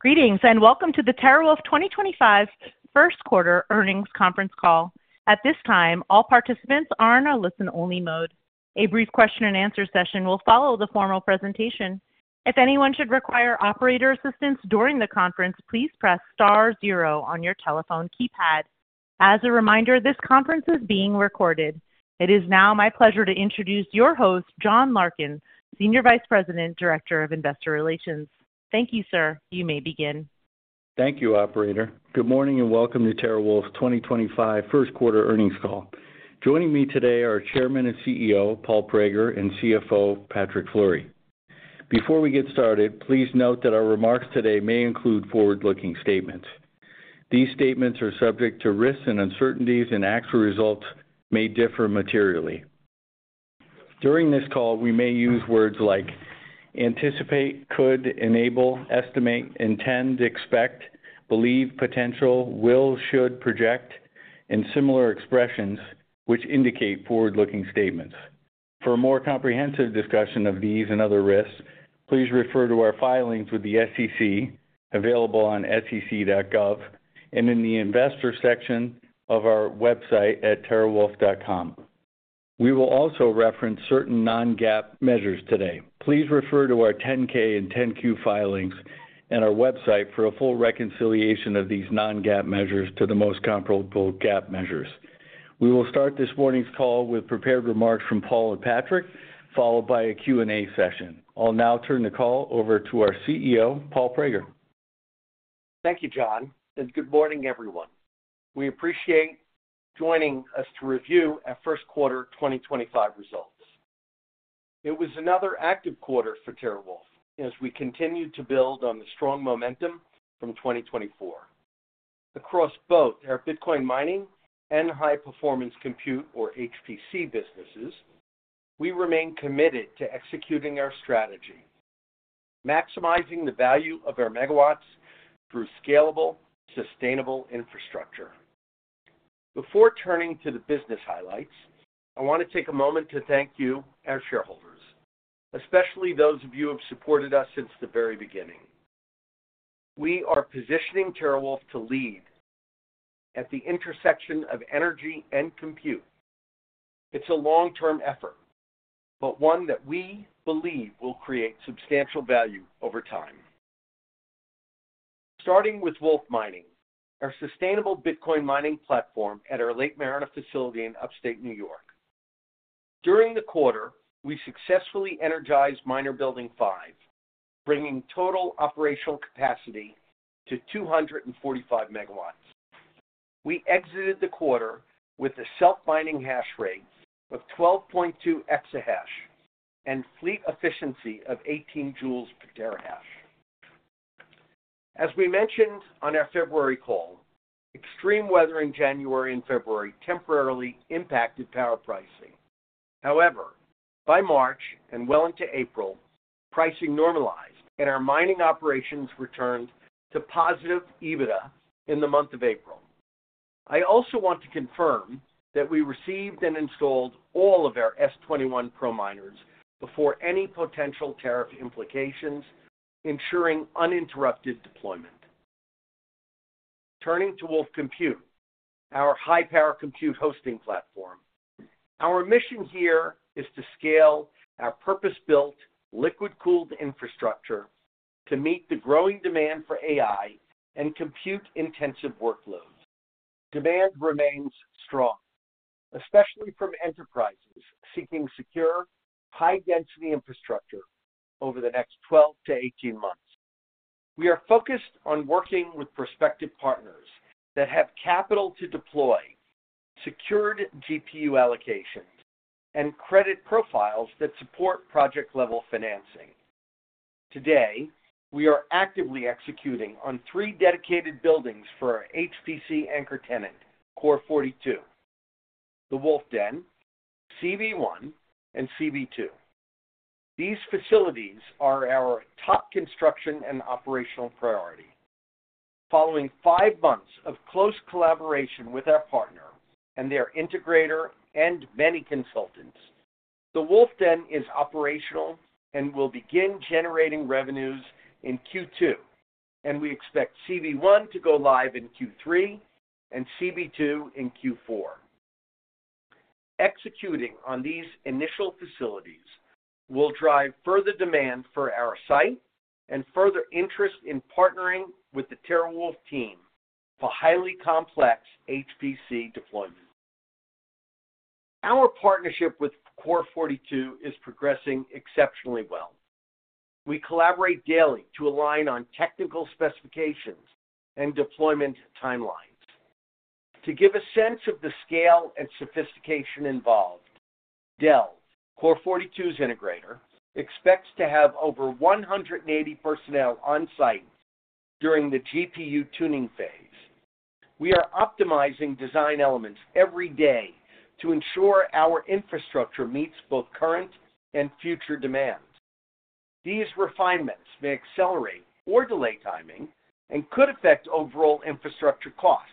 Greetings and welcome to the TeraWulf 2025 First Quarter Earnings Conference Call. At this time, all participants are in a listen-only mode. A brief question-and-answer session will follow the formal presentation. If anyone should require operator assistance during the conference, please press star zero on your telephone keypad. As a reminder, this conference is being recorded. It is now my pleasure to introduce your host, John Larkin, Senior Vice President, Director of Investor Relations. Thank you, sir. You may begin. Thank you, Operator. Good morning and welcome to TeraWulf 2025 First Quarter Earnings Call. Joining me today are Chairman and CEO Paul Prager and CFO Patrick Fleury. Before we get started, please note that our remarks today may include forward-looking statements. These statements are subject to risks and uncertainties, and actual results may differ materially. During this call, we may use words like anticipate, could, enable, estimate, intend, expect, believe, potential, will, should, project, and similar expressions, which indicate forward-looking statements. For a more comprehensive discussion of these and other risks, please refer to our filings with the SEC available on sec.gov and in the investor section of our website at terawulf.com. We will also reference certain non-GAAP measures today. Please refer to our 10-K and 10-Q filings and our website for a full reconciliation of these non-GAAP measures to the most comparable GAAP measures. We will start this morning's call with prepared remarks from Paul and Patrick, followed by a Q&A session. I'll now turn the call over to our CEO, Paul Prager. Thank you, John, and good morning, everyone. We appreciate you joining us to review our First Quarter 2025 results. It was another active quarter for TeraWulf as we continued to build on the strong momentum from 2024. Across both our Bitcoin mining and high-performance compute, or HPC, businesses, we remain committed to executing our strategy, maximizing the value of our megawatts through scalable, sustainable infrastructure. Before turning to the business highlights, I want to take a moment to thank you, our shareholders, especially those of you who have supported us since the very beginning. We are positioning TeraWulf to lead at the intersection of energy and compute. It's a long-term effort, but one that we believe will create substantial value over time. Starting with Wolf Mining, our sustainable Bitcoin mining platform at our Lake Mariner facility in upstate New York. During the quarter, we successfully energized miner building five, bringing total operational capacity to 245 megawatts. We exited the quarter with a self-mining hash rate of 12.2 Exahash and fleet efficiency of 18 joules per Terahash. As we mentioned on our February call, extreme weather in January and February temporarily impacted power pricing. However, by March and well into April, pricing normalized, and our mining operations returned to positive EBITDA in the month of April. I also want to confirm that we received and installed all of our S21 Pro miners before any potential tariff implications, ensuring uninterrupted deployment. Turning to Wolf Compute, our high-power compute hosting platform, our mission here is to scale our purpose-built liquid-cooled infrastructure to meet the growing demand for AI and compute-intensive workloads. Demand remains strong, especially from enterprises seeking secure, high-density infrastructure over the next 12-18 months. We are focused on working with prospective partners that have capital to deploy, secured GPU allocations, and credit profiles that support project-level financing. Today, we are actively executing on three dedicated buildings for our HPC anchor tenant, Core 42: the Wolf Den, CB1, and CB2. These facilities are our top construction and operational priority. Following five months of close collaboration with our partner and their integrator and many consultants, the Wolf Den is operational and will begin generating revenues in Q2, and we expect CB1 to go live in Q3 and CB2 in Q4. Executing on these initial facilities will drive further demand for our site and further interest in partnering with the TeraWulf team for highly complex HPC deployments. Our partnership with Core 42 is progressing exceptionally well. We collaborate daily to align on technical specifications and deployment timelines. To give a sense of the scale and sophistication involved, Dell, Core 42's integrator, expects to have over 180 personnel on-site during the GPU tuning phase. We are optimizing design elements every day to ensure our infrastructure meets both current and future demands. These refinements may accelerate or delay timing and could affect overall infrastructure costs.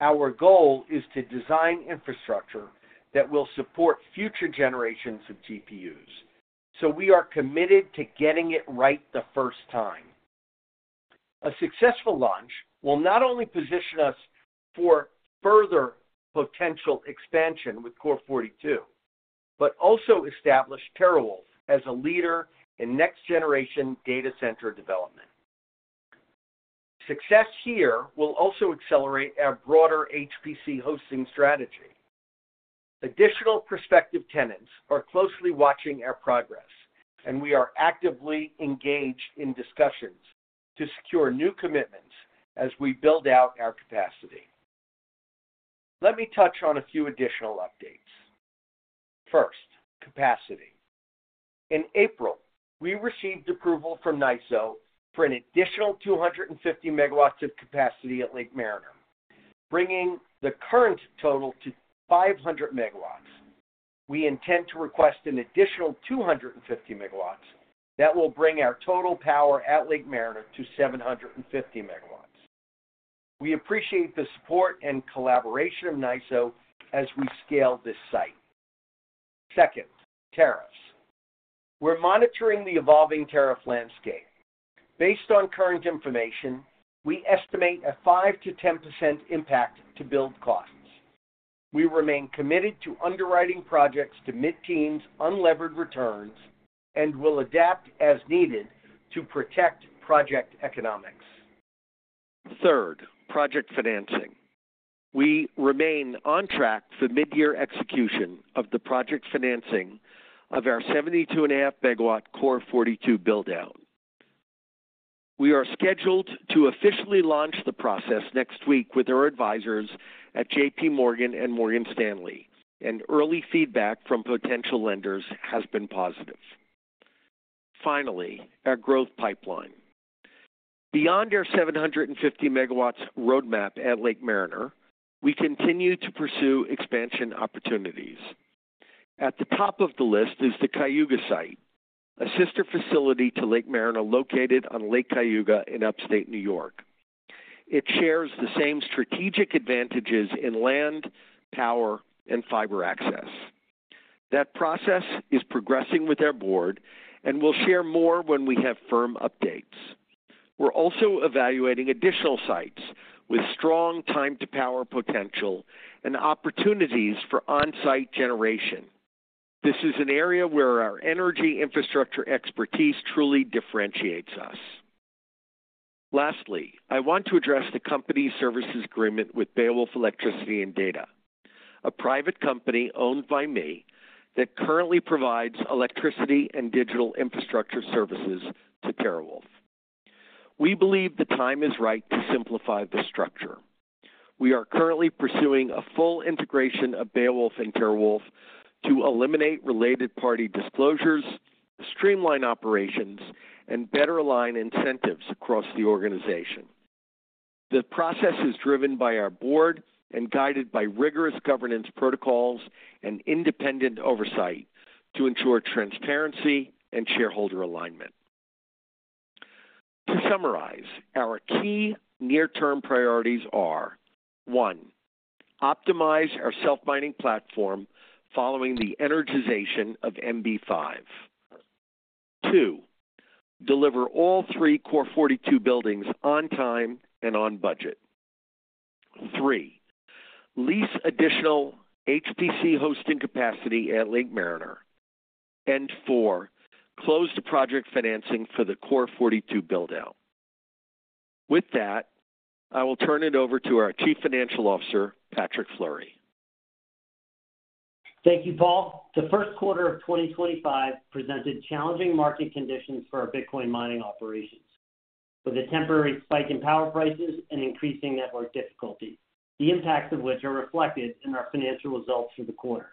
Our goal is to design infrastructure that will support future generations of GPUs, so we are committed to getting it right the first time. A successful launch will not only position us for further potential expansion with Core 42, but also establish TeraWulf as a leader in next-generation data center development. Success here will also accelerate our broader HPC hosting strategy. Additional prospective tenants are closely watching our progress, and we are actively engaged in discussions to secure new commitments as we build out our capacity. Let me touch on a few additional updates. First, capacity. In April, we received approval from NYISO for an additional 250 megawatts of capacity at Lake Mariner, bringing the current total to 500 megawatts. We intend to request an additional 250 megawatts that will bring our total power at Lake Mariner to 750 megawatts. We appreciate the support and collaboration of NYISO as we scale this site. Second, tariffs. We're monitoring the evolving tariff landscape. Based on current information, we estimate a 5-10% impact to build costs. We remain committed to underwriting projects to mid-teens, unlevered returns, and will adapt as needed to protect project economics. Third, project financing. We remain on track for mid-year execution of the project financing of our 72.5-megawatt Core 42 buildout. We are scheduled to officially launch the process next week with our advisors at JPMorgan and Morgan Stanley, and early feedback from potential lenders has been positive. Finally, our growth pipeline. Beyond our 750-megawatt roadmap at Lake Mariner, we continue to pursue expansion opportunities. At the top of the list is the Cayuga site, a sister facility to Lake Mariner located on Lake Cayuga in upstate New York. It shares the same strategic advantages in land, power, and fiber access. That process is progressing with our board and will share more when we have firm updates. We're also evaluating additional sites with strong time-to-power potential and opportunities for on-site generation. This is an area where our energy infrastructure expertise truly differentiates us. Lastly, I want to address the company's services agreement with Beowulf Electricity & Data, a private company owned by me that currently provides electricity and digital infrastructure services to TeraWulf. We believe the time is right to simplify the structure. We are currently pursuing a full integration of Beowulf and TeraWulf to eliminate related party disclosures, streamline operations, and better align incentives across the organization. The process is driven by our board and guided by rigorous governance protocols and independent oversight to ensure transparency and shareholder alignment. To summarize, our key near-term priorities are: one, optimize our self-mining platform following the energization of MB5; two, deliver all three Core 42 buildings on time and on budget; three, lease additional HPC hosting capacity at Lake Mariner; and four, close the project financing for the Core 42 buildout. With that, I will turn it over to our Chief Financial Officer, Patrick Fleury. Thank you, Paul. The first quarter of 2025 presented challenging market conditions for our Bitcoin mining operations, with a temporary spike in power prices and increasing network difficulties, the impacts of which are reflected in our financial results for the quarter.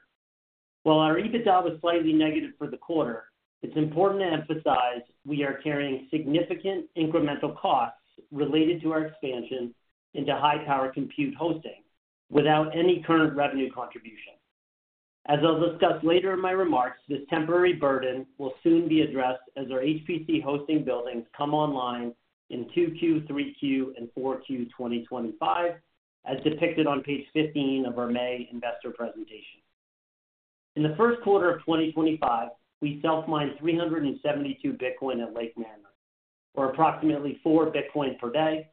While our EBITDA was slightly negative for the quarter, it's important to emphasize we are carrying significant incremental costs related to our expansion into high-performance compute hosting without any current revenue contribution. As I'll discuss later in my remarks, this temporary burden will soon be addressed as our HPC hosting buildings come online in 2Q, 3Q, and 4Q 2025, as depicted on page 15 of our May investor presentation. In the first quarter of 2025, we self-mined 372 Bitcoin at Lake Mariner, or approximately 4 Bitcoin per day,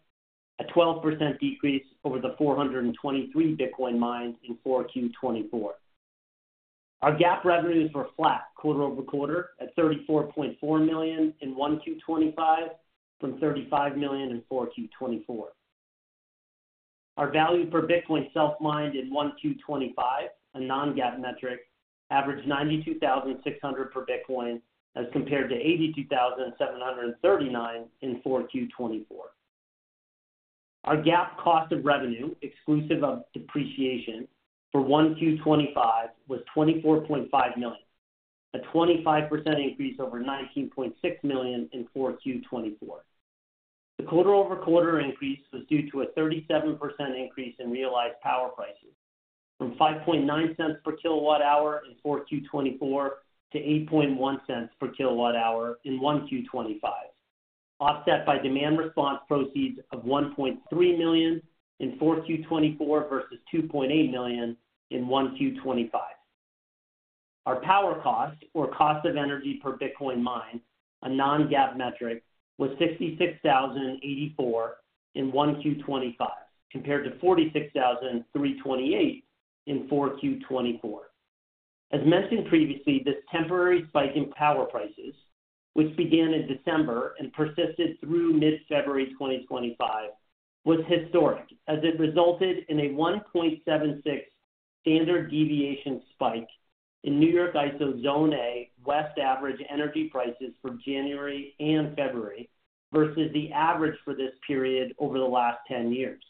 a 12% decrease over the 423 Bitcoin mined in 4Q 2024. Our GAAP revenues were flat quarter-over-quarter at $34.4 million in 1Q 2025 from $35 million in 4Q 2024. Our value per Bitcoin self-mined in 1Q 2025, a non-GAAP metric, averaged $92,600 per Bitcoin as compared to $82,739 in 4Q 2024. Our GAAP cost of revenue, exclusive of depreciation, for 1Q 2025 was $24.5 million, a 25% increase over $19.6 million in 4Q 2024. The quarter-over-quarter increase was due to a 37% increase in realized power prices from $0.059 per kilowatt-hour in 4Q 2024 to $0.081 per kilowatt-hour in 1Q 2025, offset by demand response proceeds of $1.3 million in 4Q 2024 versus $2.8 million in 1Q 2025. Our power cost, or cost of energy per Bitcoin mined, a non-GAAP metric, was $66,084 in 1Q 2025 compared to $46,328 in 4Q 2024. As mentioned previously, this temporary spike in power prices, which began in December and persisted through mid-February 2025, was historic as it resulted in a 1.76 standard deviation spike in New York ISO Zone A West average energy prices for January and February versus the average for this period over the last 10 years.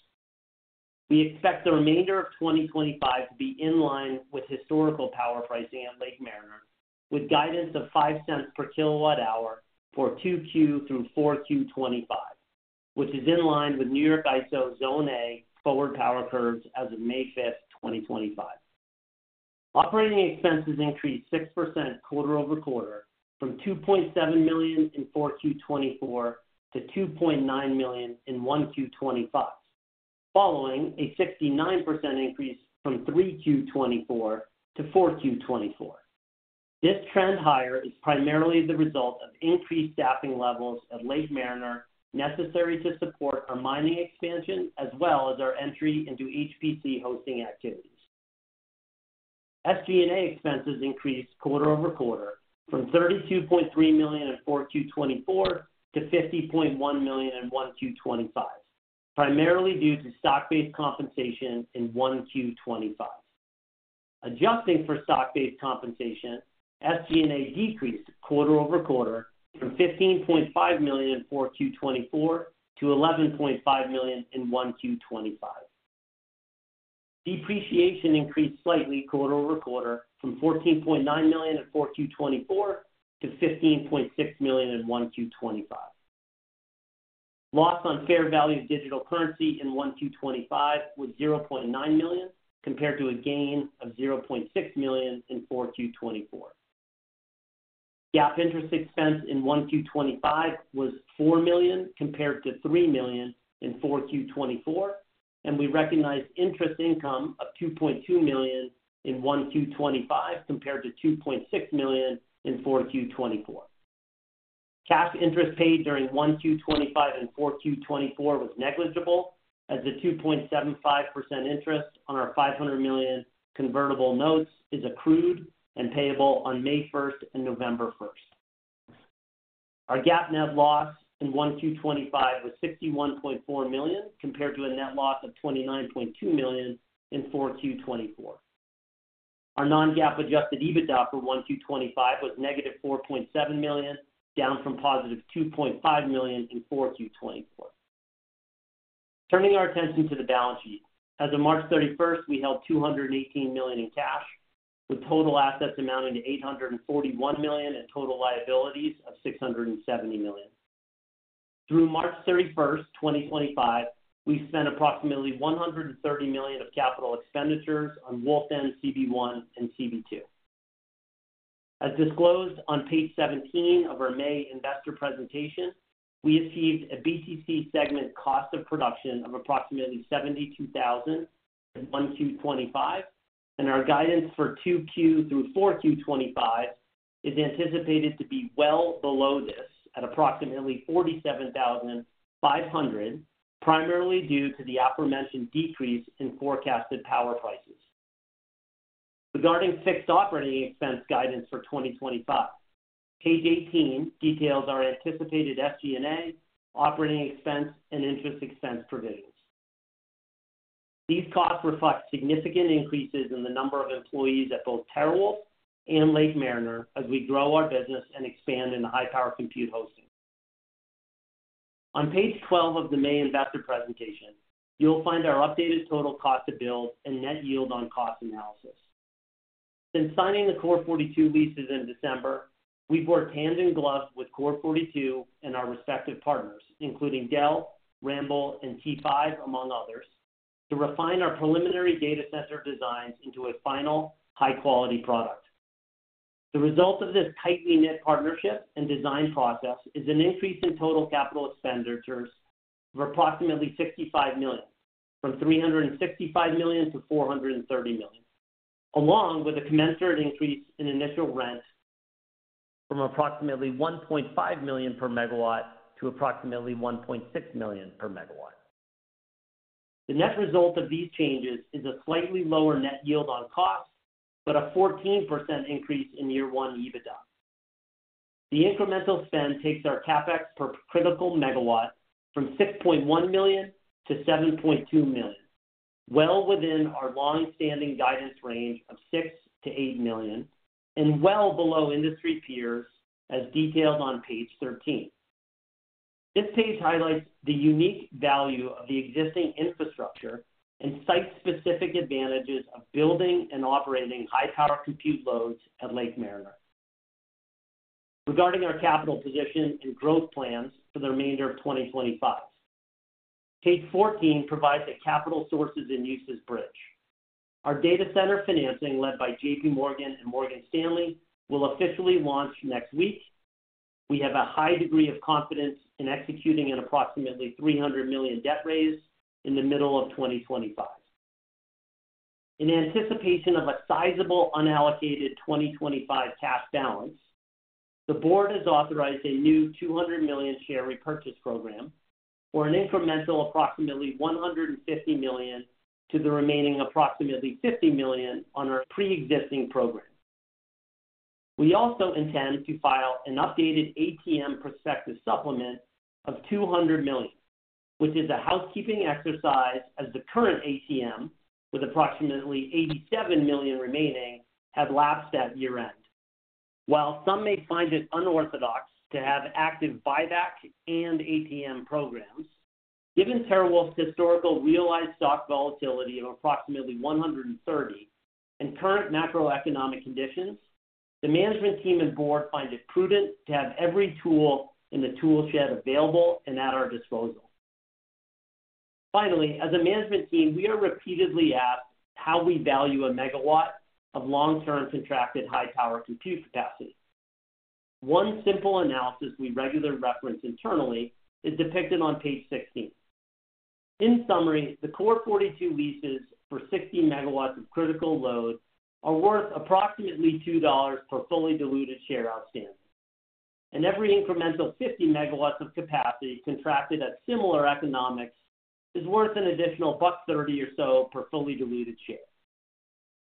We expect the remainder of 2025 to be in line with historical power pricing at Lake Mariner, with guidance of $0.05 per kilowatt-hour for 2Q through 4Q 2025, which is in line with New York ISO Zone A forward power curves as of May 5, 2025. Operating expenses increased 6% quarter-over-quarter from $2.7 million in 4Q 2024 to $2.9 million in 1Q 2025, following a 69% increase from 3Q 2024 to 4Q 2024. This trend higher is primarily the result of increased staffing levels at Lake Mariner necessary to support our mining expansion as well as our entry into HPC hosting activities. SG&A expenses increased quarter-over-quarter from $32.3 million in Q4 2024 to $50.1 million in Q1 2025, primarily due to stock-based compensation in Q1 2025. Adjusting for stock-based compensation, SG&A decreased quarter-over-quarter from $15.5 million in Q4 2024 to $11.5 million in Q1 2025. Depreciation increased slightly quarter-over-quarter from $14.9 million in Q4 2024 to $15.6 million in Q1 2025. Loss on fair value of digital currency in Q1 2025 was $0.9 million compared to a gain of $0.6 million in Q4 2024. GAAP interest expense in 1Q 2025 was $4 million compared to $3 million in 4Q 2024, and we recognized interest income of $2.2 million in 1Q 2025 compared to $2.6 million in 4Q 2024. Cash interest paid during 1Q 2025 and 4Q 2024 was negligible as a 2.75% interest on our $500 million convertible notes is accrued and payable on May 1 and November 1. Our GAAP net loss in 1Q 2025 was $61.4 million compared to a net loss of $29.2 million in 4Q 2024. Our non-GAAP adjusted EBITDA for 1Q 2025 was negative $4.7 million, down from positive $2.5 million in 4Q 2024. Turning our attention to the balance sheet, as of March 31, we held $218 million in cash, with total assets amounting to $841 million and total liabilities of $670 million. Through March 31, 2025, we spent approximately $130 million of capital expenditures on Wolf Den CB1 and CB2. As disclosed on page 17 of our May investor presentation, we achieved a BTC segment cost of production of approximately $72,000 in 1Q 2025, and our guidance for 2Q through 4Q 2025 is anticipated to be well below this at approximately $47,500, primarily due to the aforementioned decrease in forecasted power prices. Regarding fixed operating expense guidance for 2025, page 18 details our anticipated SG&A operating expense and interest expense provisions. These costs reflect significant increases in the number of employees at both TeraWulf and Lake Mariner as we grow our business and expand into high performance compute hosting. On page 12 of the May investor presentation, you'll find our updated total cost of build and net yield on cost analysis. Since signing the Core 42 leases in December, we've worked hand in glove with Core 42 and our respective partners, including Dell, Ramble, and T5, among others, to refine our preliminary data center designs into a final high-quality product. The result of this tightly knit partnership and design process is an increase in total capital expenditures of approximately $65 million, from $365 million to $430 million, along with a commensurate increase in initial rent from approximately $1.5 million per megawatt to approximately $1.6 million per megawatt. The net result of these changes is a slightly lower net yield on cost, but a 14% increase in year one EBITDA. The incremental spend takes our CapEx per critical megawatt from $6.1 million to $7.2 million, well within our long-standing guidance range of $6 million-$8 million, and well below industry peers, as detailed on page 13. This page highlights the unique value of the existing infrastructure and site-specific advantages of building and operating high-power compute loads at Lake Mariner. Regarding our capital position and growth plans for the remainder of 2025, page 14 provides a capital sources and uses bridge. Our data center financing led by JPMorgan and Morgan Stanley will officially launch next week. We have a high degree of confidence in executing an approximately $300 million debt raise in the middle of 2025. In anticipation of a sizable unallocated 2025 cash balance, the board has authorized a new $200 million share repurchase program for an incremental approximately $150 million to the remaining approximately $50 million on our pre-existing program. We also intend to file an updated ATM prospective supplement of $200 million, which is a housekeeping exercise as the current ATM, with approximately $87 million remaining, have lapsed at year-end. While some may find it unorthodox to have active buyback and ATM programs, given TeraWulf's historical realized stock volatility of approximately 130 and current macroeconomic conditions, the management team and board find it prudent to have every tool in the toolshed available and at our disposal. Finally, as a management team, we are repeatedly asked how we value a megawatt of long-term contracted high-power compute capacity. One simple analysis we regularly reference internally is depicted on page 16. In summary, the Core 42 leases for 60 megawatts of critical load are worth approximately $2 per fully diluted share outstanding, and every incremental 50 megawatts of capacity contracted at similar economics is worth an additional $1.30 or so per fully diluted share.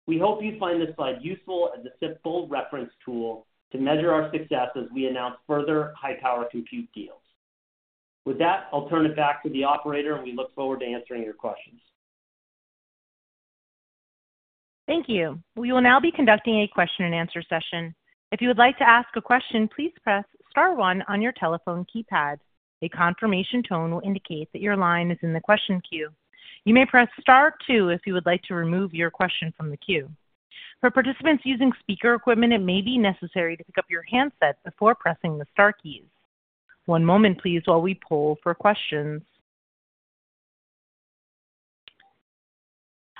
We hope you find this slide useful as a simple reference tool to measure our success as we announce further high-power compute deals. With that, I'll turn it back to the operator, and we look forward to answering your questions. Thank you. We will now be conducting a question-and-answer session. If you would like to ask a question, please press Star 1 on your telephone keypad. A confirmation tone will indicate that your line is in the question queue. You may press Star 2 if you would like to remove your question from the queue. For participants using speaker equipment, it may be necessary to pick up your handset before pressing the Star keys. One moment, please, while we pull for questions.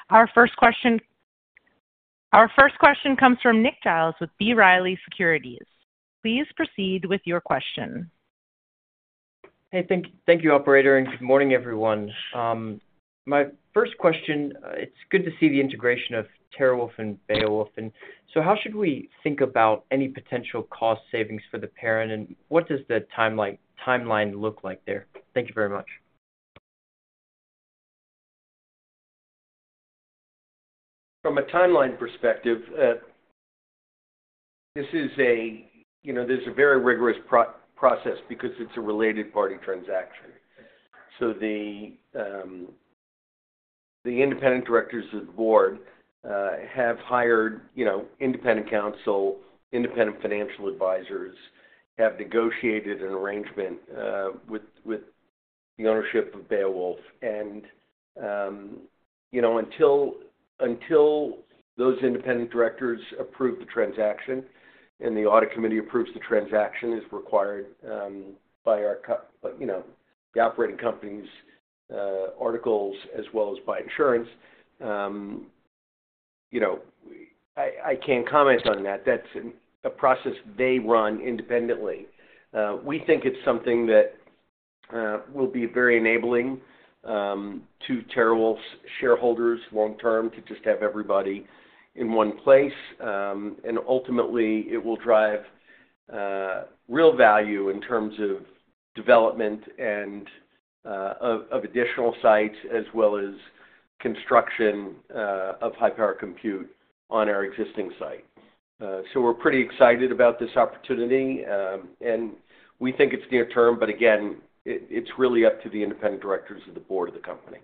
Our first question comes from Nick Giles with B. Riley Securities. Please proceed with your question. Hey, thank you, operator, and good morning, everyone. My first question, it's good to see the integration of TeraWulf and Beowulf. How should we think about any potential cost savings for the parent, and what does the timeline look like there? Thank you very much. From a timeline perspective, this is a—there's a very rigorous process because it's a related party transaction. The independent directors of the board have hired independent counsel, independent financial advisors, have negotiated an arrangement with the ownership of Beowulf. Until those independent directors approve the transaction and the audit committee approves the transaction as required by the operating company's articles as well as by insurance, I can't comment on that. That's a process they run independently. We think it's something that will be very enabling to TeraWulf's shareholders long-term to just have everybody in one place. Ultimately, it will drive real value in terms of development and of additional sites as well as construction of high-power compute on our existing site. We're pretty excited about this opportunity, and we think it's near term, but again, it's really up to the independent directors of the board of the company.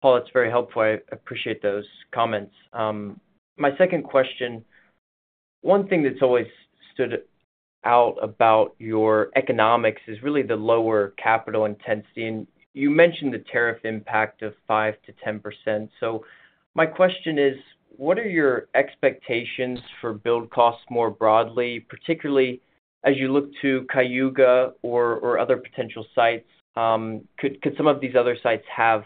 Paul, that's very helpful. I appreciate those comments. My second question, one thing that's always stood out about your economics is really the lower capital intensity. You mentioned the tariff impact of 5-10%. My question is, what are your expectations for build costs more broadly, particularly as you look to Cayuga or other potential sites? Could some of these other sites have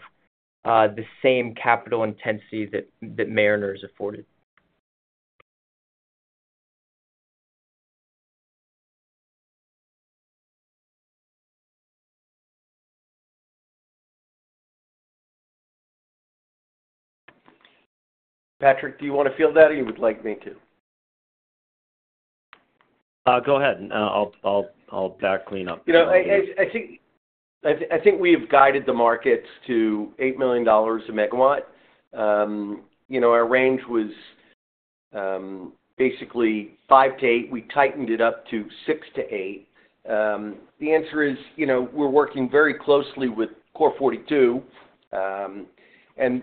the same capital intensity that Mariner's afforded? Patrick, do you want to field that, or would you like me to? Go ahead. I'll back clean up. I think we have guided the markets to $8 million a megawatt. Our range was basically $5 million-$8 million. We tightened it up to $6 million-$8 million. The answer is we're working very closely with Core 42 and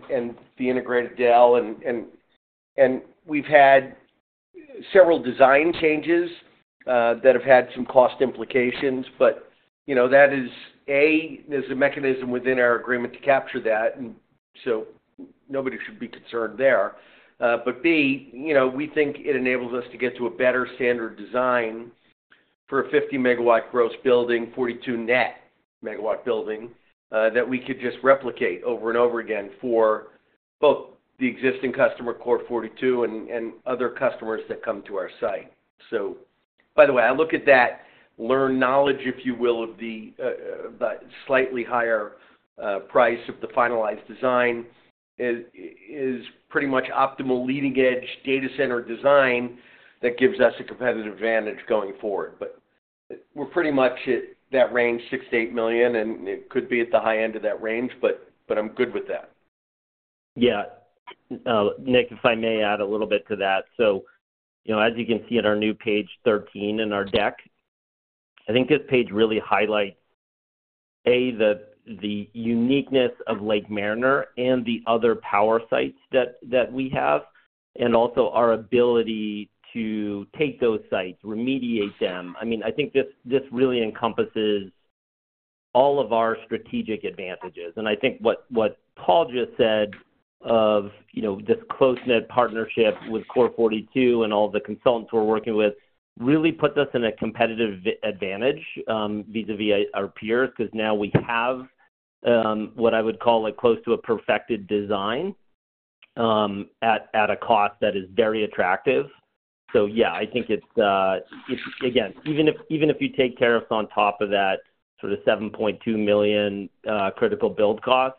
the integrated Dell, and we've had several design changes that have had some cost implications, but that is, A, there's a mechanism within our agreement to capture that, and so nobody should be concerned there. B, we think it enables us to get to a better standard design for a 50 megawatt gross building, 42 net megawatt building that we could just replicate over and over again for both the existing customer Core 42 and other customers that come to our site. By the way, I look at that learned knowledge, if you will, of the slightly higher price of the finalized design is pretty much optimal leading-edge data center design that gives us a competitive advantage going forward. We are pretty much at that range, $6 million-$8 million, and it could be at the high end of that range, but I'm good with that. Yeah. Nick, if I may add a little bit to that. As you can see in our new page 13 in our deck, I think this page really highlights, A, the uniqueness of Lake Mariner and the other power sites that we have, and also our ability to take those sites, remediate them. I mean, I think this really encompasses all of our strategic advantages. I think what Paul just said of this close-knit partnership with Core 42 and all the consultants we're working with really puts us in a competitive advantage vis-à-vis our peers because now we have what I would call close to a perfected design at a cost that is very attractive. Yeah, I think it's, again, even if you take tariffs on top of that sort of $7.2 million critical build cost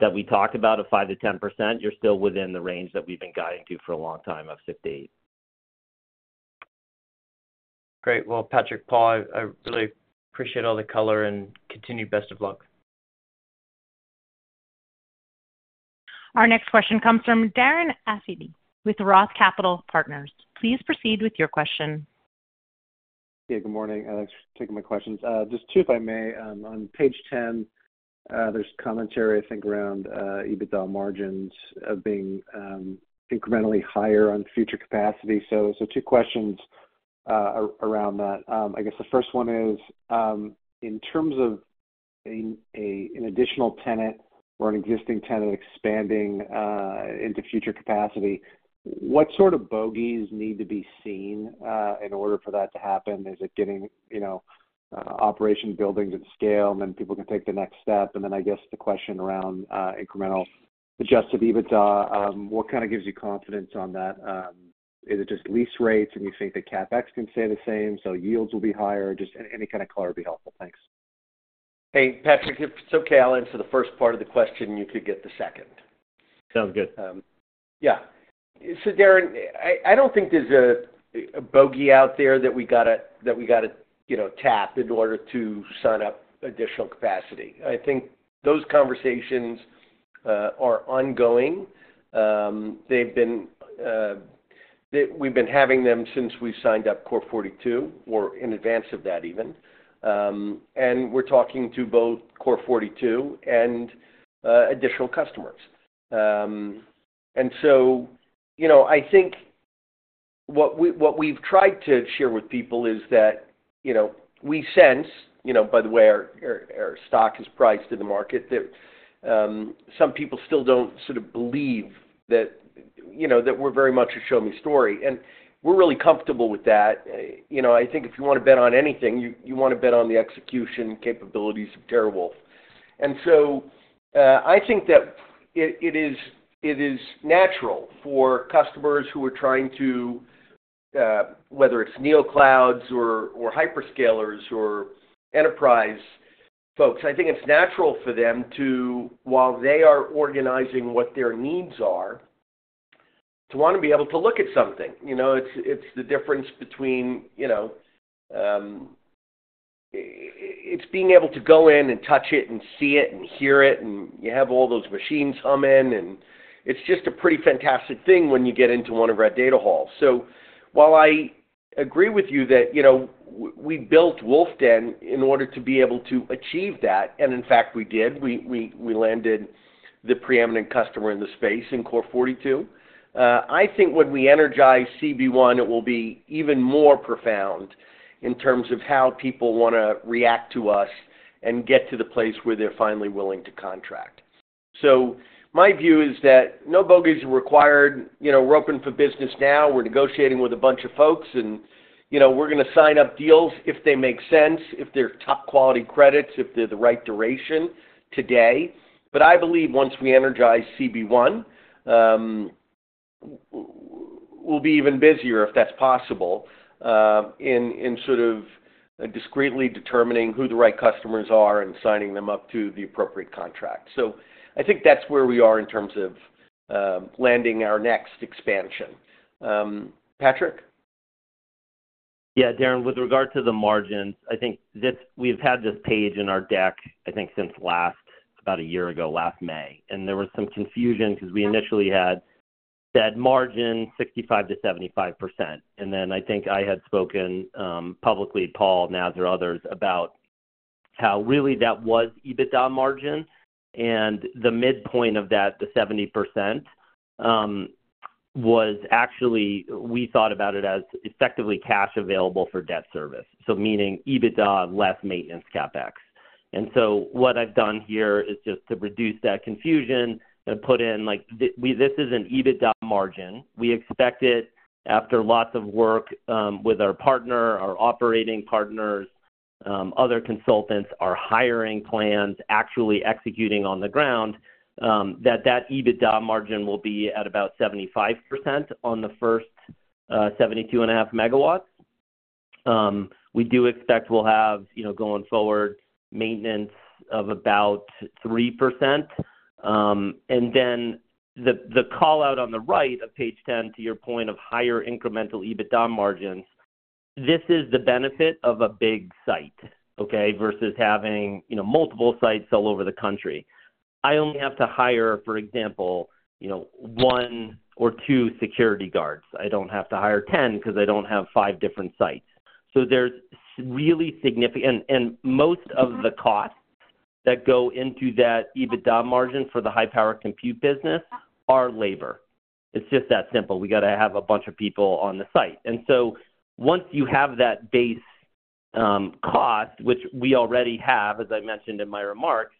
that we talked about of 5%-10%, you're still within the range that we've been guiding to for a long time of $6 million-$8 million. Great. Patrick, Paul, I really appreciate all the color and continued best of luck. Our next question comes from Darren Assady with Roth Capital Partners. Please proceed with your question. Yeah, good morning. Thanks for taking my questions. Just two, if I may, on page 10, there's commentary, I think, around EBITDA margins being incrementally higher on future capacity. So two questions around that. I guess the first one is, in terms of an additional tenant or an existing tenant expanding into future capacity, what sort of bogeys need to be seen in order for that to happen? Is it getting operation buildings at scale, and then people can take the next step? I guess the question around incremental adjusted EBITDA, what kind of gives you confidence on that? Is it just lease rates, and you think that CapEx can stay the same, so yields will be higher? Just any kind of color would be helpful. Thanks. Hey, Patrick, if it's okay, I'll answer the first part of the question, and you could get the second. Sounds good. Yeah. Darren, I do not think there is a bogey out there that we have to tap in order to sign up additional capacity. I think those conversations are ongoing. We have been having them since we signed up Core 42 or in advance of that even. We are talking to both Core 42 and additional customers. I think what we have tried to share with people is that we sense, by the way our stock is priced in the market, that some people still do not sort of believe that we are very much a show-me story. We are really comfortable with that. I think if you want to bet on anything, you want to bet on the execution capabilities of TeraWulf. I think that it is natural for customers who are trying to, whether it's NeoClouds or hyperscalers or enterprise folks, I think it's natural for them to, while they are organizing what their needs are, to want to be able to look at something. It's the difference between it's being able to go in and touch it and see it and hear it, and you have all those machines humming, and it's just a pretty fantastic thing when you get into one of our data halls. While I agree with you that we built Wolf Den in order to be able to achieve that, and in fact, we did, we landed the preeminent customer in the space in Core 42, I think when we energize CB1, it will be even more profound in terms of how people want to react to us and get to the place where they're finally willing to contract. My view is that no bogeys are required. We're open for business now. We're negotiating with a bunch of folks, and we're going to sign up deals if they make sense, if they're top-quality credits, if they're the right duration today. I believe once we energize CB1, we'll be even busier if that's possible in sort of discreetly determining who the right customers are and signing them up to the appropriate contract. I think that's where we are in terms of landing our next expansion. Patrick? Yeah, Darren, with regard to the margins, I think we've had this page in our deck, I think, since about a year ago, last May. There was some confusion because we initially had said margin 65-75%. I think I had spoken publicly, Paul, Nazar, others, about how really that was EBITDA margin. The midpoint of that, the 70%, was actually, we thought about it as effectively cash available for debt service, so meaning EBITDA less maintenance CapEx. What I've done here is just to reduce that confusion and put in this is an EBITDA margin. We expect it, after lots of work with our partner, our operating partners, other consultants, our hiring plans, actually executing on the ground, that that EBITDA margin will be at about 75% on the first 72.5 megawatts. We do expect we'll have going forward maintenance of about 3%. The callout on the right of page 10, to your point of higher incremental EBITDA margins, this is the benefit of a big site, okay, versus having multiple sites all over the country. I only have to hire, for example, one or two security guards. I do not have to hire 10 because I do not have five different sites. There is really significant and most of the costs that go into that EBITDA margin for the high-performance compute business are labor. It is just that simple. We got to have a bunch of people on the site. Once you have that base cost, which we already have, as I mentioned in my remarks,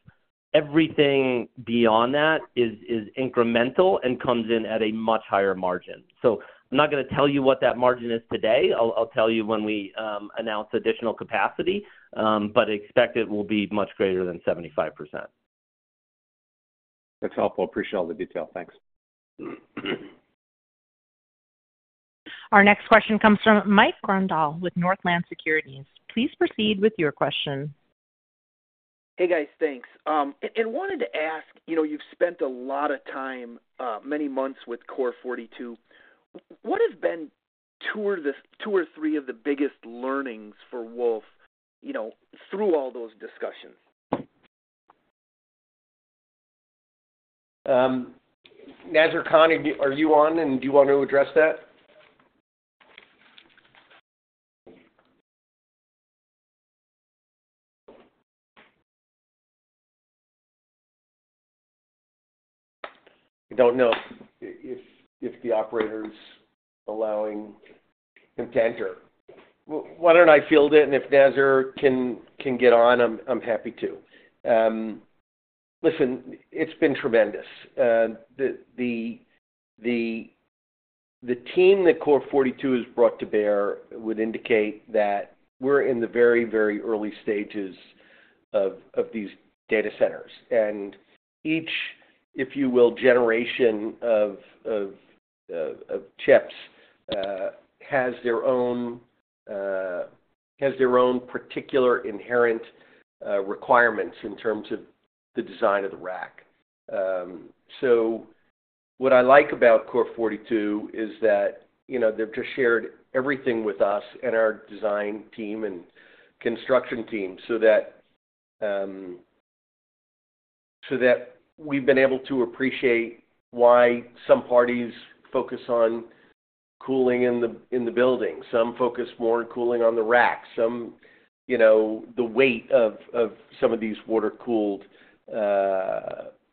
everything beyond that is incremental and comes in at a much higher margin. I'm not going to tell you what that margin is today. I'll tell you when we announce additional capacity, but I expect it will be much greater than 75%. That's helpful. Appreciate all the detail. Thanks. Our next question comes from Mike Grundahl with Northland Capital Markets. Please proceed with your question. Hey, guys. Thanks. I wanted to ask, you've spent a lot of time, many months with Core 42. What have been two or three of the biggest learnings for Wulf through all those discussions? Nazar Khan, are you on, and do you want to address that? I don't know if the operator's allowing him to enter. Why don't I field it? And if Nazar can get on, I'm happy to. Listen, it's been tremendous. The team that Core 42 has brought to bear would indicate that we're in the very, very early stages of these data centers. And each, if you will, generation of chips has their own particular inherent requirements in terms of the design of the rack. So what I like about Core 42 is that they've just shared everything with us and our design team and construction team so that we've been able to appreciate why some parties focus on cooling in the building, some focus more on cooling on the rack, the weight of some of these water-cooled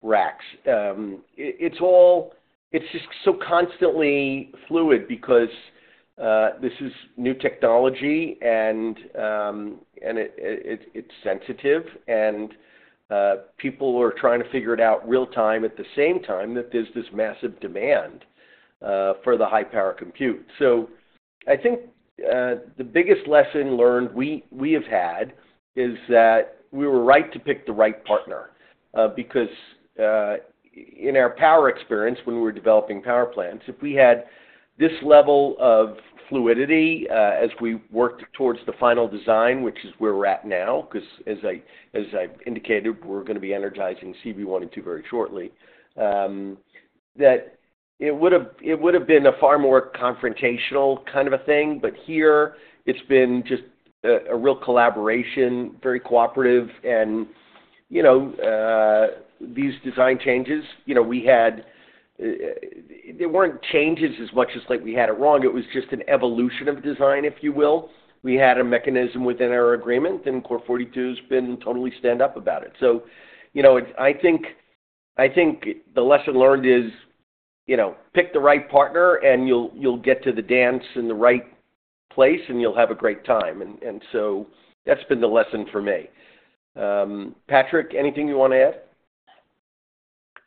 racks. It's just so constantly fluid because this is new technology, and it's sensitive, and people are trying to figure it out real-time at the same time that there's this massive demand for the high-power compute. I think the biggest lesson learned we have had is that we were right to pick the right partner because in our power experience when we were developing power plants, if we had this level of fluidity as we worked towards the final design, which is where we're at now, because as I've indicated, we're going to be energizing CB1 and 2 very shortly, it would have been a far more confrontational kind of a thing. Here, it's been just a real collaboration, very cooperative. These design changes, we had they weren't changes as much as we had it wrong. It was just an evolution of design, if you will. We had a mechanism within our agreement, and Core 42 has been totally stand-up about it. I think the lesson learned is pick the right partner, and you'll get to the dance in the right place, and you'll have a great time. That has been the lesson for me. Patrick, anything you want to add?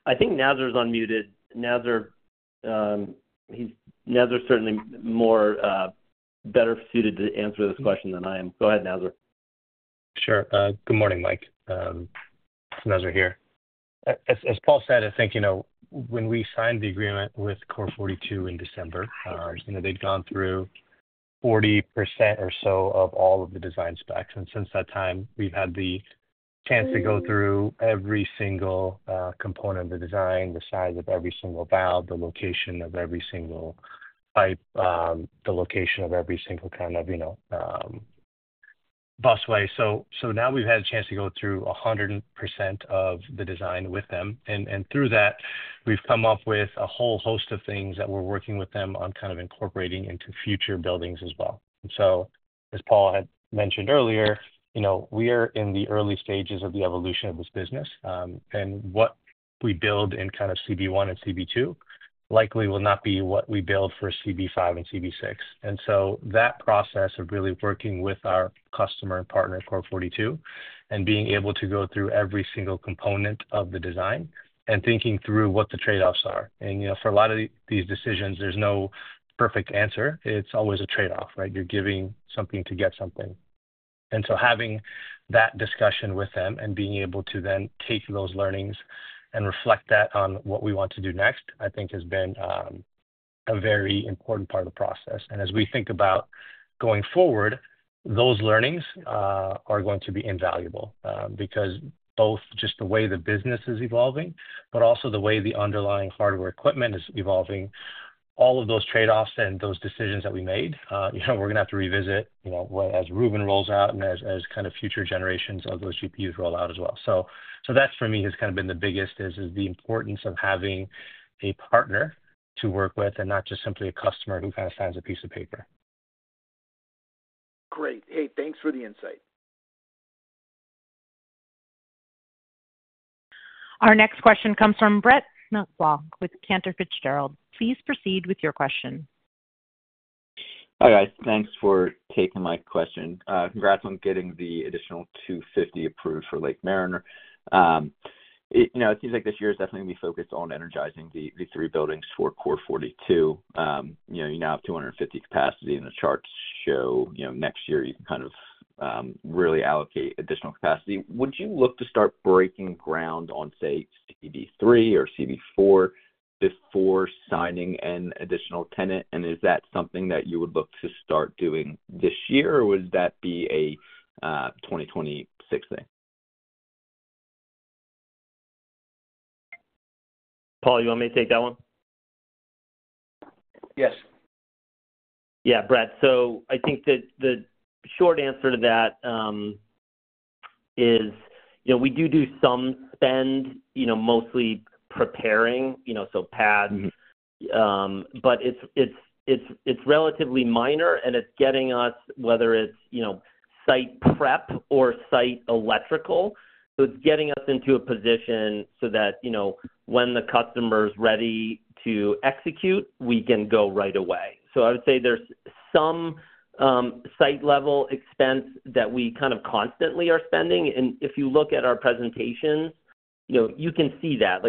I think Nazar's unmuted. Nazar, he's certainly better suited to answer this question than I am. Go ahead, Nazar. Sure. Good morning, Mike. It's Nazar here. As Paul said, I think when we signed the agreement with Core 42 in December, they'd gone through 40% or so of all of the design specs. Since that time, we've had the chance to go through every single component of the design, the size of every single valve, the location of every single pipe, the location of every single kind of busway. Now we've had a chance to go through 100% of the design with them. Through that, we've come up with a whole host of things that we're working with them on kind of incorporating into future buildings as well. As Paul had mentioned earlier, we are in the early stages of the evolution of this business. What we build in kind of CB1 and CB2 likely will not be what we build for CB5 and CB6. That process of really working with our customer and partner Core 42 and being able to go through every single component of the design and thinking through what the trade-offs are. For a lot of these decisions, there is no perfect answer. It is always a trade-off, right? You are giving something to get something. Having that discussion with them and being able to then take those learnings and reflect that on what we want to do next, I think, has been a very important part of the process. As we think about going forward, those learnings are going to be invaluable because both just the way the business is evolving, but also the way the underlying hardware equipment is evolving, all of those trade-offs and those decisions that we made, we're going to have to revisit as Ruben rolls out and as kind of future generations of those GPUs roll out as well. That for me has kind of been the biggest is the importance of having a partner to work with and not just simply a customer who kind of signs a piece of paper. Great. Hey, thanks for the insight. Our next question comes from Brett Nussbaugh with Cantor Fitzgerald. Please proceed with your question. Hi, guys. Thanks for taking my question. Congrats on getting the additional 250 approved for Lake Mariner. It seems like this year is definitely going to be focused on energizing the three buildings for Core 42. You now have 250 capacity, and the charts show next year you can kind of really allocate additional capacity. Would you look to start breaking ground on, say, CB3 or CB4 before signing an additional tenant? Is that something that you would look to start doing this year, or would that be a 2026 thing? Paul, you want me to take that one? Yes. Yeah, Brett. I think that the short answer to that is we do do some spend, mostly preparing, so pads, but it's relatively minor, and it's getting us, whether it's site prep or site electrical, it's getting us into a position so that when the customer's ready to execute, we can go right away. I would say there's some site-level expense that we kind of constantly are spending. If you look at our presentations, you can see that.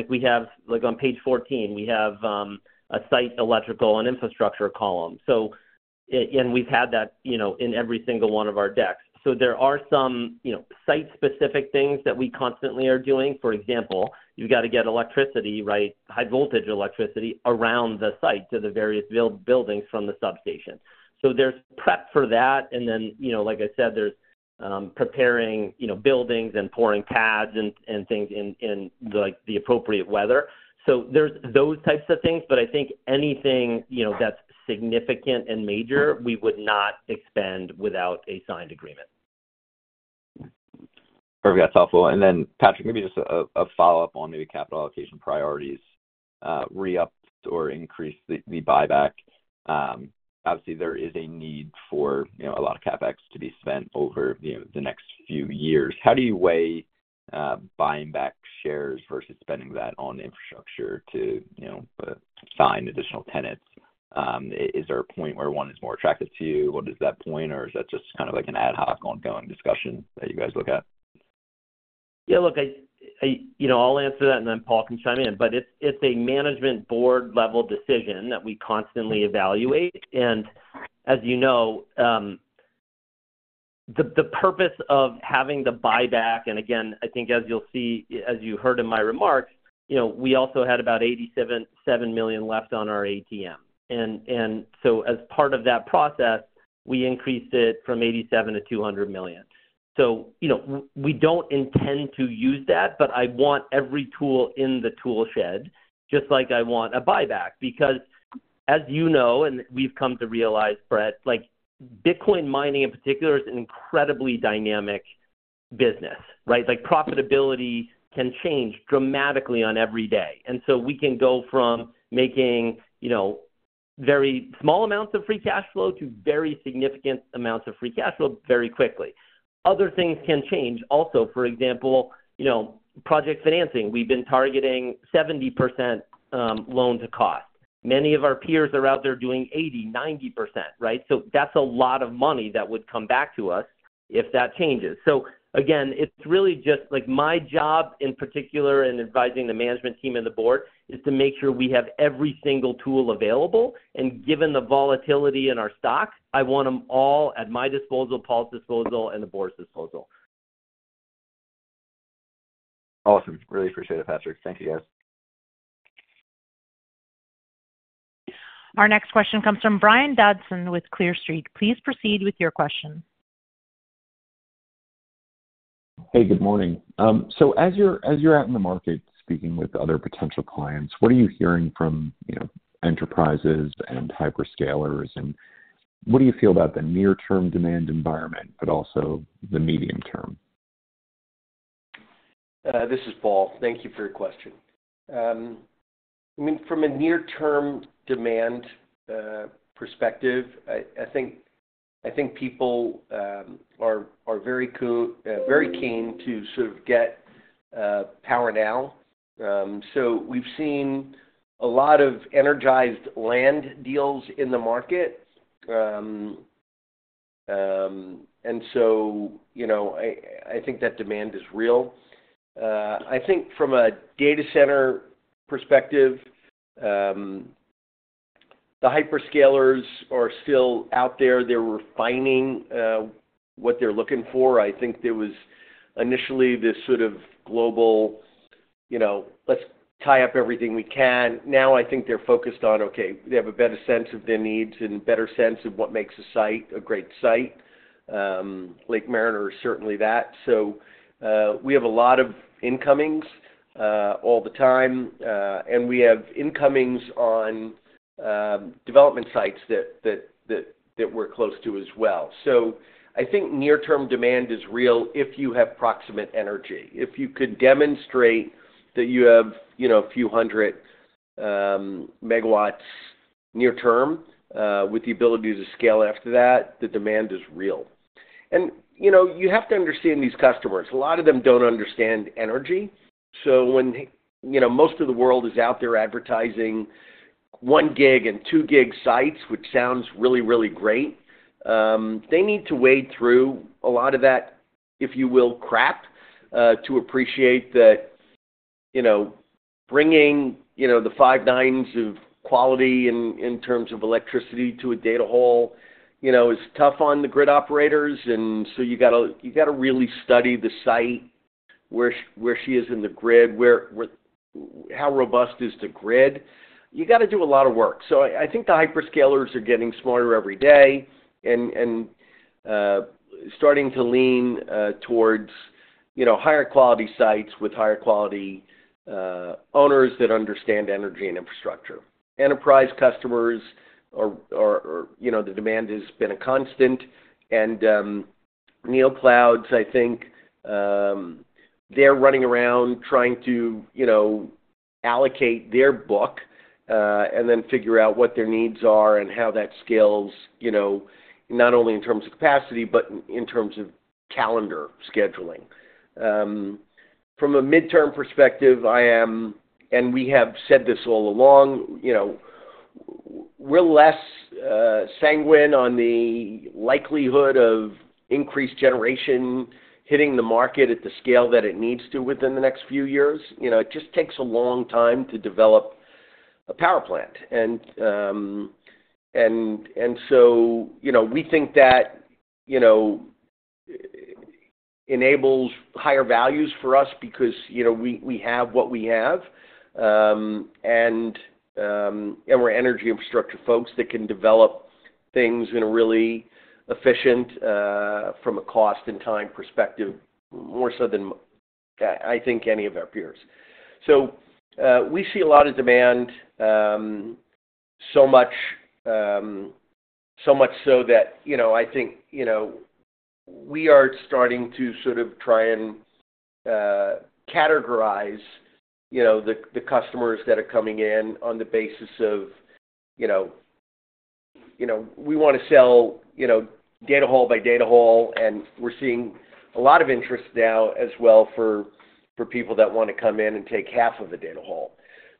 On page 14, we have a site electrical and infrastructure column. We've had that in every single one of our decks. There are some site-specific things that we constantly are doing. For example, you've got to get electricity, right, high-voltage electricity around the site to the various buildings from the substation. There's prep for that. Like I said, there's preparing buildings and pouring pads and things in the appropriate weather. There are those types of things, but I think anything that's significant and major, we would not expend without a signed agreement. Perfect. That is helpful. Patrick, maybe just a follow-up on maybe capital allocation priorities, re-ups or increase the buyback. Obviously, there is a need for a lot of CapEx to be spent over the next few years. How do you weigh buying back shares versus spending that on infrastructure to sign additional tenants? Is there a point where one is more attractive to you? What is that point, or is that just kind of like an ad hoc ongoing discussion that you guys look at? Yeah, look, I'll answer that, and then Paul can chime in. It is a management board-level decision that we constantly evaluate. As you know, the purpose of having the buyback, and again, I think as you'll see, as you heard in my remarks, we also had about $87 million left on our ATM. As part of that process, we increased it from $87 million to $200 million. We do not intend to use that, but I want every tool in the tool shed just like I want a buyback. As you know, and we've come to realize, Brett, Bitcoin mining in particular is an incredibly dynamic business, right? Profitability can change dramatically on every day. We can go from making very small amounts of free cash flow to very significant amounts of free cash flow very quickly. Other things can change also. For example, project financing. We've been targeting 70% loan to cost. Many of our peers are out there doing 80-90%, right? That's a lot of money that would come back to us if that changes. Again, it's really just my job in particular in advising the management team and the board is to make sure we have every single tool available. Given the volatility in our stock, I want them all at my disposal, Paul's disposal, and the board's disposal. Awesome. Really appreciate it, Patrick. Thank you, guys. Our next question comes from Brian Dodson with Clear Street. Please proceed with your question. Hey, good morning. As you're out in the market speaking with other potential clients, what are you hearing from enterprises and hyperscalers? What do you feel about the near-term demand environment, but also the medium-term? This is Paul. Thank you for your question. I mean, from a near-term demand perspective, I think people are very keen to sort of get power now. We have seen a lot of energized land deals in the market. I think that demand is real. I think from a data center perspective, the hyperscalers are still out there. They are refining what they are looking for. I think there was initially this sort of global, "Let's tie up everything we can." Now I think they are focused on, "Okay, they have a better sense of their needs and a better sense of what makes a site a great site." Lake Mariner is certainly that. We have a lot of incomings all the time, and we have incomings on development sites that we are close to as well. I think near-term demand is real if you have proximate energy. If you could demonstrate that you have a few hundred megawatts near-term with the ability to scale after that, the demand is real. You have to understand these customers. A lot of them do not understand energy. When most of the world is out there advertising 1 gig and 2 gig sites, which sounds really, really great, they need to wade through a lot of that, if you will, crap to appreciate that bringing the five nines of quality in terms of electricity to a data hall is tough on the grid operators. You have to really study the site, where she is in the grid, how robust is the grid. You have to do a lot of work. I think the hyperscalers are getting smarter every day and starting to lean towards higher quality sites with higher quality owners that understand energy and infrastructure. Enterprise customers, the demand has been a constant. NeoClouds, I think they're running around trying to allocate their book and then figure out what their needs are and how that scales, not only in terms of capacity, but in terms of calendar scheduling. From a midterm perspective, I am, and we have said this all along, we're less sanguine on the likelihood of increased generation hitting the market at the scale that it needs to within the next few years. It just takes a long time to develop a power plant. We think that enables higher values for us because we have what we have, and we're energy infrastructure folks that can develop things in a really efficient from a cost and time perspective, more so than I think any of our peers. We see a lot of demand, so much so that I think we are starting to sort of try and categorize the customers that are coming in on the basis of we want to sell data hall by data hall, and we're seeing a lot of interest now as well for people that want to come in and take half of the data hall.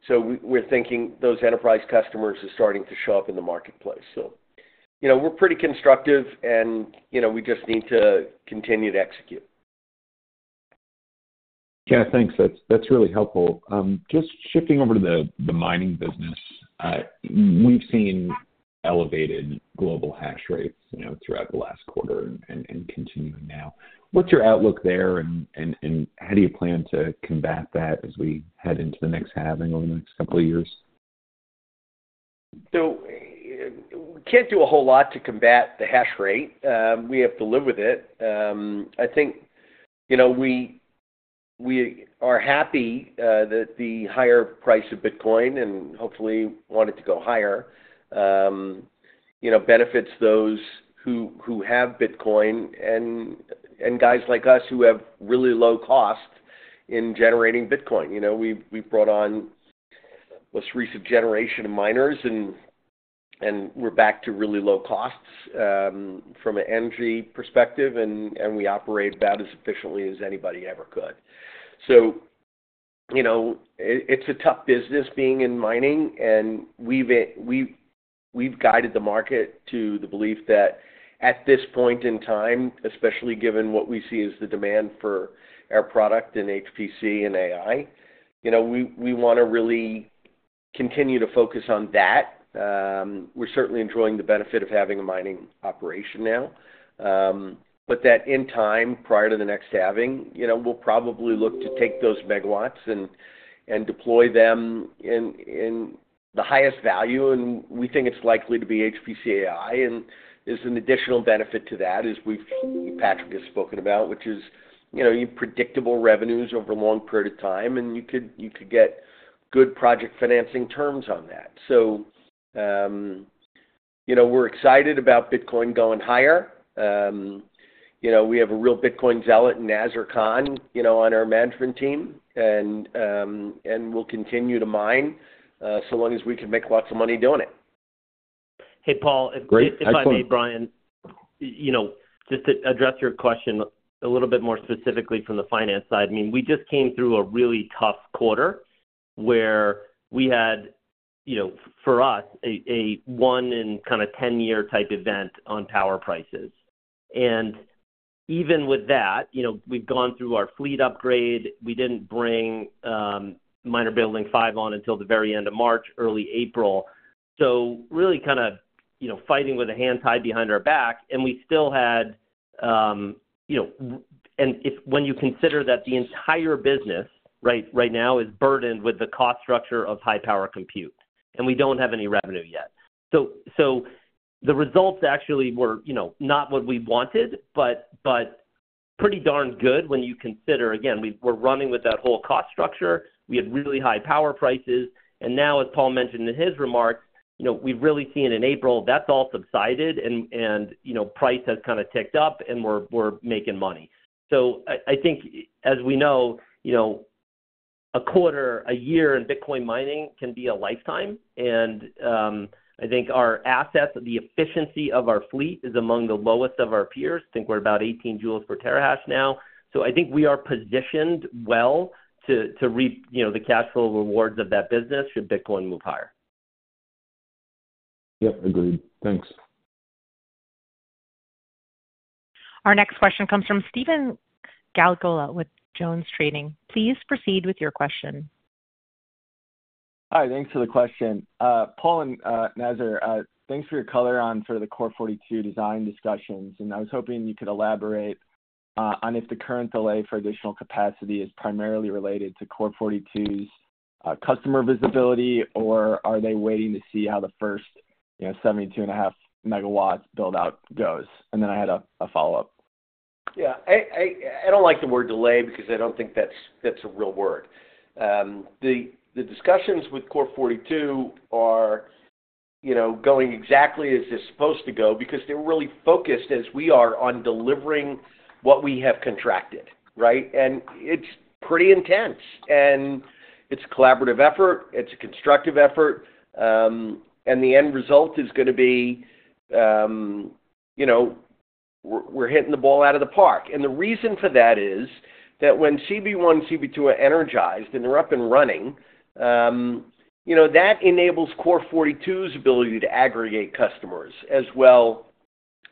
We're thinking those enterprise customers are starting to show up in the marketplace. We're pretty constructive, and we just need to continue to execute. Yeah, thanks. That's really helpful. Just shifting over to the mining business, we've seen elevated global hash rates throughout the last quarter and continuing now. What's your outlook there, and how do you plan to combat that as we head into the next half and over the next couple of years? We can't do a whole lot to combat the hash rate. We have to live with it. I think we are happy that the higher price of Bitcoin and hopefully want it to go higher benefits those who have Bitcoin and guys like us who have really low cost in generating Bitcoin. We've brought on most recent generation of miners, and we're back to really low costs from an energy perspective, and we operate about as efficiently as anybody ever could. It's a tough business being in mining, and we've guided the market to the belief that at this point in time, especially given what we see as the demand for our product and HPC and AI, we want to really continue to focus on that. We're certainly enjoying the benefit of having a mining operation now. That in time, prior to the next halving, we'll probably look to take those megawatts and deploy them in the highest value. We think it's likely to be HPC AI, and there's an additional benefit to that, as Patrick has spoken about, which is you have predictable revenues over a long period of time, and you could get good project financing terms on that. We're excited about Bitcoin going higher. We have a real Bitcoin zealot and Nazar Khan on our management team, and we'll continue to mine so long as we can make lots of money doing it. Hey, Paul. If I may, Brian, just to address your question a little bit more specifically from the finance side, I mean, we just came through a really tough quarter where we had, for us, a one in kind of 10-year type event on power prices. Even with that, we've gone through our fleet upgrade. We did not bring miner building five on until the very end of March, early April. Really kind of fighting with a hand tied behind our back. We still had, and when you consider that the entire business right now is burdened with the cost structure of high-performance compute, and we do not have any revenue yet. The results actually were not what we wanted, but pretty darn good when you consider, again, we are running with that whole cost structure. We had really high power prices. As Paul mentioned in his remarks, we've really seen in April, that's all subsided, and price has kind of ticked up, and we're making money. I think, as we know, a quarter, a year in Bitcoin mining can be a lifetime. I think our assets, the efficiency of our fleet is among the lowest of our peers. I think we're about 18 joules per terahash now. I think we are positioned well to reap the cash flow rewards of that business should Bitcoin move higher. Yep, agreed. Thanks. Our next question comes from Stephen William Glagola with JonesTrading Institutional Services. Please proceed with your question. Hi, thanks for the question. Paul and Nazar, thanks for your color on sort of the Core 42 design discussions. I was hoping you could elaborate on if the current delay for additional capacity is primarily related to Core 42's customer visibility, or are they waiting to see how the first 72.5 megawatts build-out goes? I had a follow-up. Yeah. I don't like the word delay because I don't think that's a real word. The discussions with Core 42 are going exactly as they're supposed to go because they're really focused, as we are, on delivering what we have contracted, right? It's pretty intense. It's a collaborative effort. It's a constructive effort. The end result is going to be we're hitting the ball out of the park. The reason for that is that when CB1, CB2 are energized and they're up and running, that enables Core 42's ability to aggregate customers as well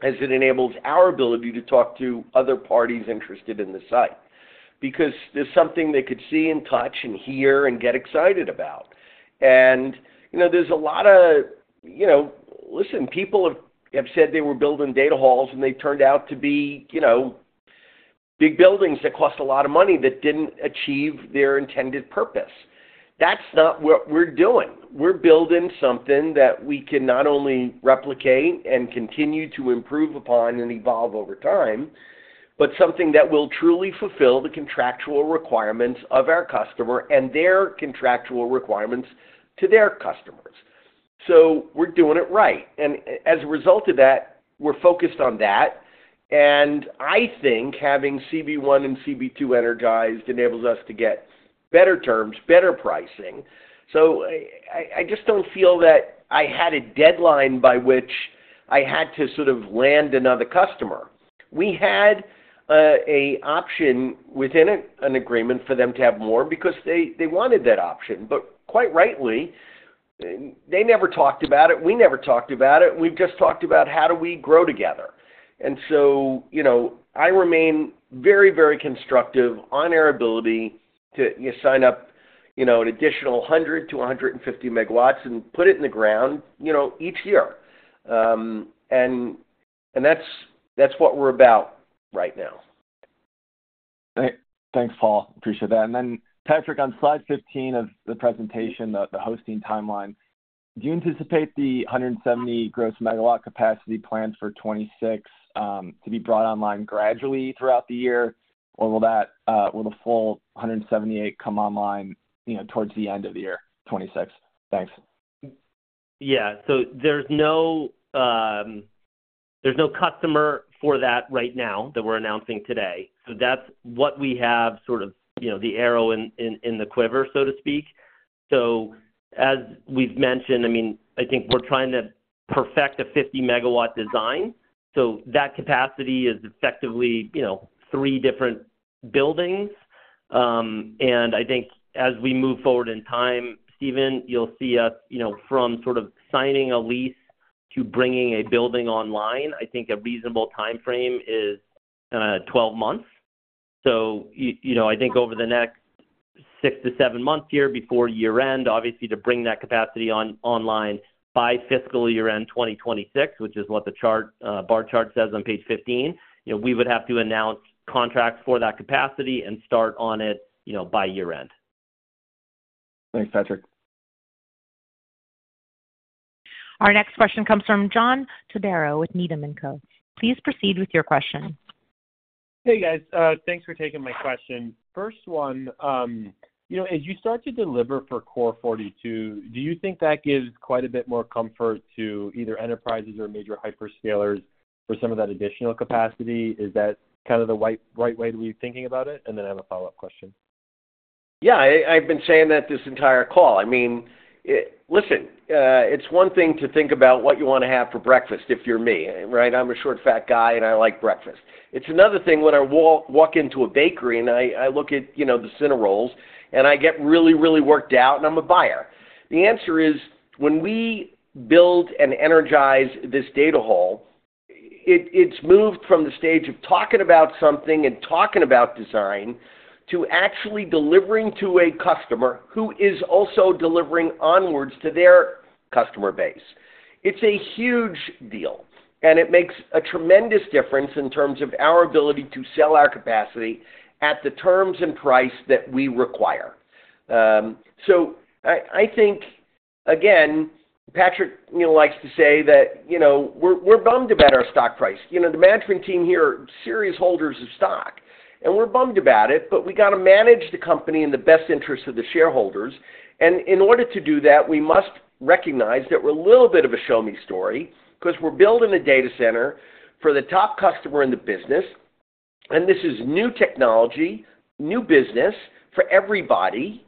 as it enables our ability to talk to other parties interested in the site because there's something they could see and touch and hear and get excited about. There is a lot of, listen, people have said they were building data halls, and they turned out to be big buildings that cost a lot of money that did not achieve their intended purpose. That is not what we are doing. We are building something that we can not only replicate and continue to improve upon and evolve over time, but something that will truly fulfill the contractual requirements of our customer and their contractual requirements to their customers. We are doing it right. As a result of that, we are focused on that. I think having CB1 and CB2 energized enables us to get better terms, better pricing. I just do not feel that I had a deadline by which I had to sort of land another customer. We had an option within an agreement for them to have more because they wanted that option. Quite rightly, they never talked about it. We never talked about it. We have just talked about how do we grow together. I remain very, very constructive on our ability to sign up an additional 100-150 megawatts and put it in the ground each year. That is what we are about right now. Thanks, Paul. Appreciate that. Patrick, on slide 15 of the presentation, the hosting timeline, do you anticipate the 170 gross megawatt capacity planned for 2026 to be brought online gradually throughout the year, or will the full 178 come online towards the end of the year, 2026? Thanks. Yeah. There is no customer for that right now that we are announcing today. That is what we have, sort of the arrow in the quiver, so to speak. As we have mentioned, I mean, I think we are trying to perfect a 50 megawatt design. That capacity is effectively three different buildings. I think as we move forward in time, Steven, you will see us from signing a lease to bringing a building online, I think a reasonable timeframe is 12 months. I think over the next six to seven months here before year-end, obviously, to bring that capacity online by fiscal year-end 2026, which is what the bar chart says on page 15, we would have to announce contracts for that capacity and start on it by year-end. Thanks, Patrick. Our next question comes from John Todaro with Needham & Co. Please proceed with your question. Hey, guys. Thanks for taking my question. First one, as you start to deliver for Core 42, do you think that gives quite a bit more comfort to either enterprises or major hyperscalers for some of that additional capacity? Is that kind of the right way to be thinking about it? I have a follow-up question. Yeah. I've been saying that this entire call. I mean, listen, it's one thing to think about what you want to have for breakfast if you're me, right? I'm a short, fat guy, and I like breakfast. It's another thing when I walk into a bakery and I look at the cinnamon rolls, and I get really, really worked out, and I'm a buyer. The answer is when we build and energize this data hall, it's moved from the stage of talking about something and talking about design to actually delivering to a customer who is also delivering onwards to their customer base. It's a huge deal, and it makes a tremendous difference in terms of our ability to sell our capacity at the terms and price that we require. I think, again, Patrick likes to say that we're bummed about our stock price. The management team here are serious holders of stock, and we're bummed about it, but we got to manage the company in the best interest of the shareholders. In order to do that, we must recognize that we're a little bit of a show-me story because we're building a data center for the top customer in the business. This is new technology, new business for everybody,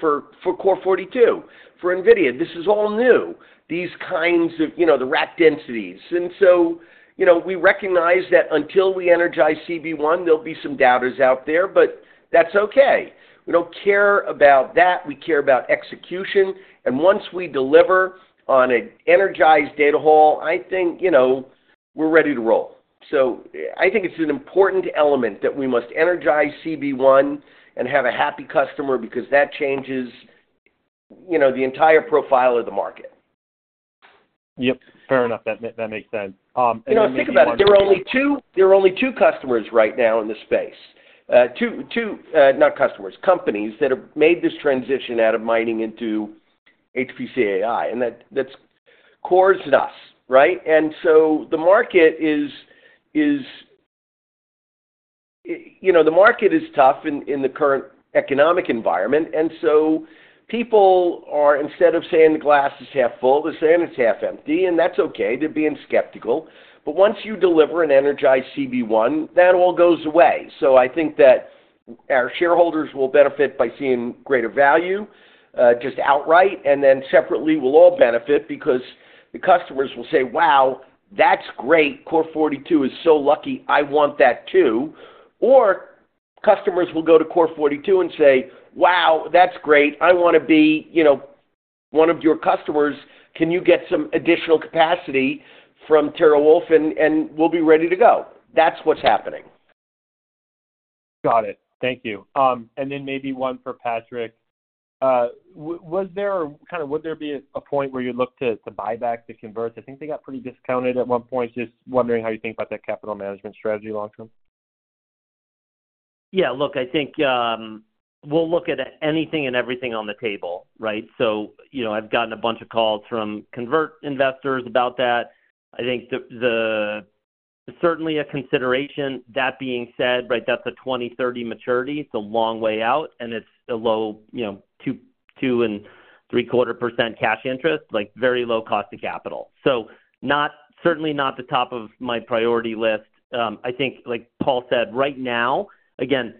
for Core 42, for NVIDIA. This is all new, these kinds of the rack densities. We recognize that until we energize CB1, there'll be some doubters out there, but that's okay. We don't care about that. We care about execution. Once we deliver on an energized data hall, I think we're ready to roll. I think it's an important element that we must energize CB1 and have a happy customer because that changes the entire profile of the market. Yep. Fair enough. That makes sense. Think about it. There are only two customers right now in the space, not customers, companies that have made this transition out of mining into HPC AI. And that's CoreWeave and us, right? The market is tough in the current economic environment. People are, instead of saying the glass is half full, they're saying it's half empty. That's okay to be skeptical. Once you deliver and energize CB1, that all goes away. I think that our shareholders will benefit by seeing greater value just outright. Separately, we'll all benefit because the customers will say, "Wow, that's great. Core 42 is so lucky. I want that too." Or customers will go to Core 42 and say, "Wow, that's great. I want to be one of your customers. Can you get some additional capacity from TeraWulf in? And we'll be ready to go. That's what's happening. Got it. Thank you. Maybe one for Patrick. Kind of would there be a point where you'd look to buy back, to convert? I think they got pretty discounted at one point. Just wondering how you think about that capital management strategy long-term. Yeah. Look, I think we'll look at anything and everything on the table, right? So I've gotten a bunch of calls from convert investors about that. I think certainly a consideration. That being said, right, that's a 2030 maturity. It's a long way out, and it's a low 2.75% cash interest, very low cost of capital. So certainly not the top of my priority list. I think, like Paul said, right now, again,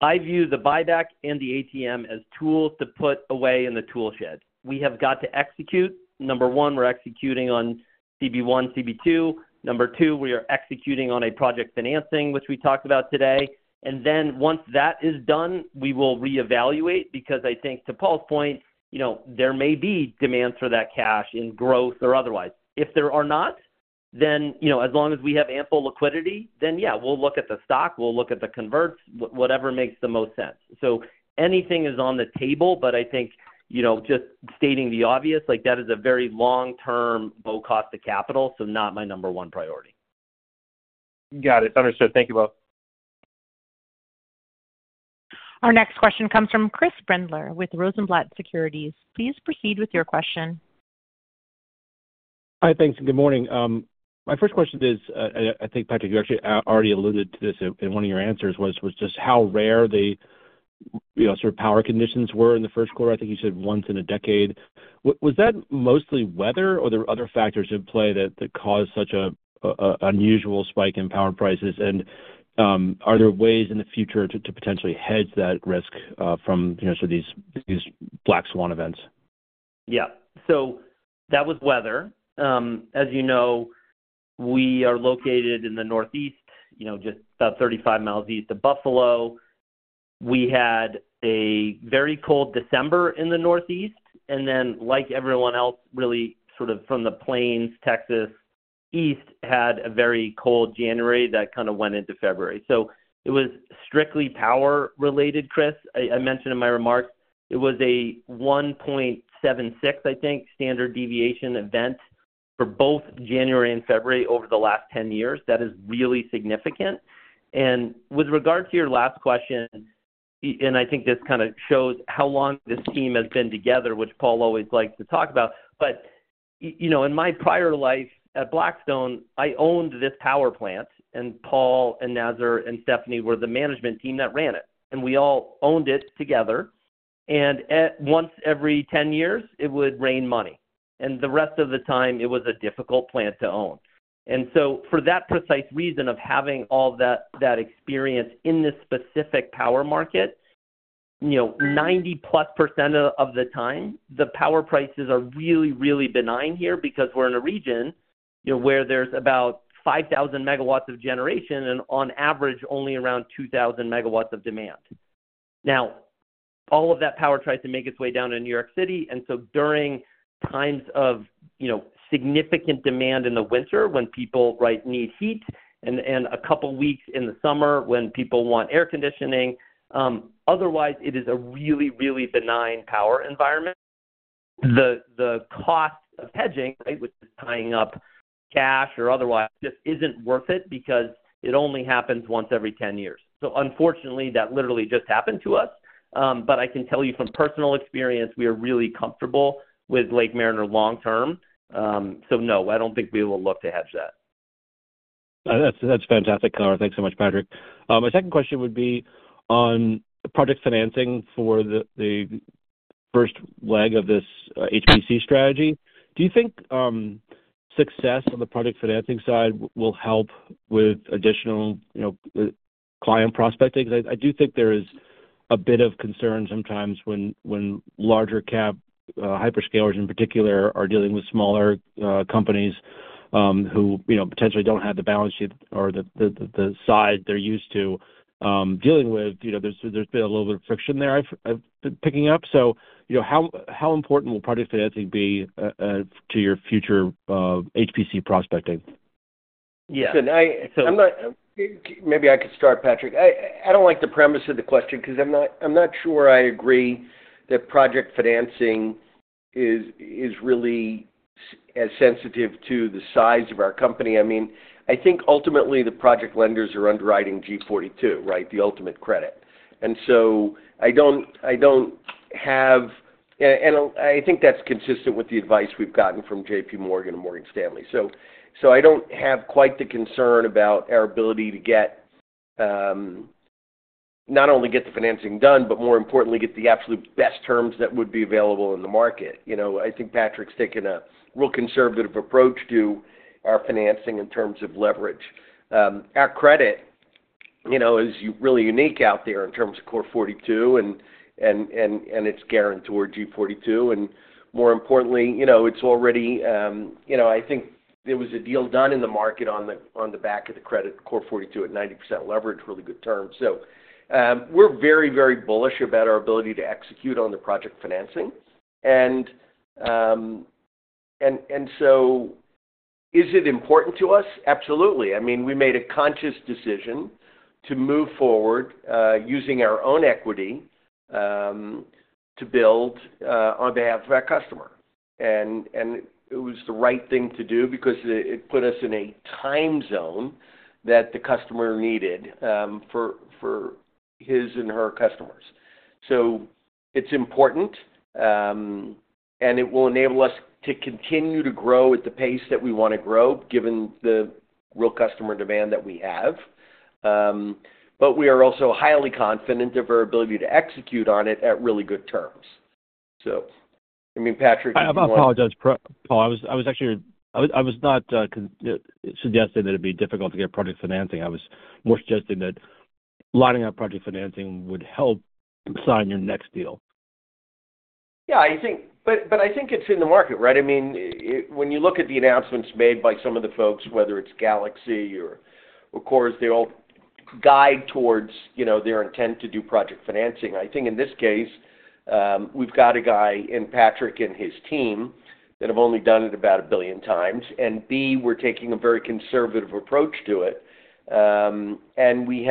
I view the buyback and the ATM as tools to put away in the toolshed. We have got to execute. Number one, we're executing on CB1, CB2. Number two, we are executing on a project financing, which we talked about today. Once that is done, we will reevaluate because I think, to Paul's point, there may be demand for that cash in growth or otherwise. If there are not, then as long as we have ample liquidity, then yeah, we'll look at the stock. We'll look at the converts, whatever makes the most sense. So anything is on the table, but I think just stating the obvious, that is a very long-term low cost of capital, so not my number one priority. Got it. Understood. Thank you both. Our next question comes from Chris Brendler with Rosenblatt Securities. Please proceed with your question. Hi, thanks. Good morning. My first question is, I think, Patrick, you actually already alluded to this in one of your answers, was just how rare the sort of power conditions were in the first quarter. I think you said once in a decade. Was that mostly weather, or were there other factors at play that caused such an unusual spike in power prices? Are there ways in the future to potentially hedge that risk from sort of these black swan events? Yeah. That was weather. As you know, we are located in the northeast, just about 35 mi east of Buffalo. We had a very cold December in the northeast. Like everyone else, really sort of from the Plains, Texas, east had a very cold January that kind of went into February. It was strictly power-related, Chris. I mentioned in my remarks, it was a 1.76, I think, standard deviation event for both January and February over the last 10 years. That is really significant. With regard to your last question, I think this kind of shows how long this team has been together, which Paul always likes to talk about. In my prior life at Blackstone, I owned this power plant, and Paul and Nazar and Stephanie were the management team that ran it. We all owned it together. Once every 10 years, it would rain money. The rest of the time, it was a difficult plant to own. For that precise reason of having all that experience in this specific power market, 90+% of the time, the power prices are really, really benign here because we're in a region where there's about 5,000 megawatts of generation and, on average, only around 2,000 megawatts of demand. All of that power tries to make its way down to New York City. During times of significant demand in the winter when people need heat and a couple of weeks in the summer when people want air conditioning, otherwise, it is a really, really benign power environment. The cost of hedging, right, which is tying up cash or otherwise, just isn't worth it because it only happens once every 10 years. Unfortunately, that literally just happened to us. I can tell you from personal experience, we are really comfortable with Lake Mariner long-term. No, I do not think we will look to hedge that. That's fantastic, Connor. Thanks so much, Patrick. My second question would be on project financing for the first leg of this HPC strategy. Do you think success on the project financing side will help with additional client prospecting? Because I do think there is a bit of concern sometimes when larger cap hyperscalers, in particular, are dealing with smaller companies who potentially do not have the balance sheet or the size they are used to dealing with. There has been a little bit of friction there I have been picking up. How important will project financing be to your future HPC prospecting? Yeah. Maybe I could start, Patrick. I do not like the premise of the question because I am not sure I agree that project financing is really as sensitive to the size of our company. I mean, I think ultimately the project lenders are underwriting Core 42, right, the ultimate credit. I think that is consistent with the advice we have gotten from JPMorgan and Morgan Stanley. I do not have quite the concern about our ability to not only get the financing done, but more importantly, get the absolute best terms that would be available in the market. I think Patrick has taken a real conservative approach to our financing in terms of leverage. Our credit is really unique out there in terms of Core 42, and it is gearing toward Core 42. More importantly, it's already—I think there was a deal done in the market on the back of the credit Core 42 at 90% leverage, really good terms. We are very, very bullish about our ability to execute on the project financing. Is it important to us? Absolutely. I mean, we made a conscious decision to move forward using our own equity to build on behalf of our customer. It was the right thing to do because it put us in a time zone that the customer needed for his and her customers. It is important, and it will enable us to continue to grow at the pace that we want to grow, given the real customer demand that we have. We are also highly confident of our ability to execute on it at really good terms. I mean, Patrick. I apologize, Paul. I was actually—I was not suggesting that it'd be difficult to get project financing. I was more suggesting that lining up project financing would help sign your next deal. Yeah. I think it's in the market, right? I mean, when you look at the announcements made by some of the folks, whether it's Galaxy or CoreWeave, they all guide towards their intent to do project financing. I think in this case, we've got a guy and Patrick and his team that have only done it about a billion times. B, we're taking a very conservative approach to it. We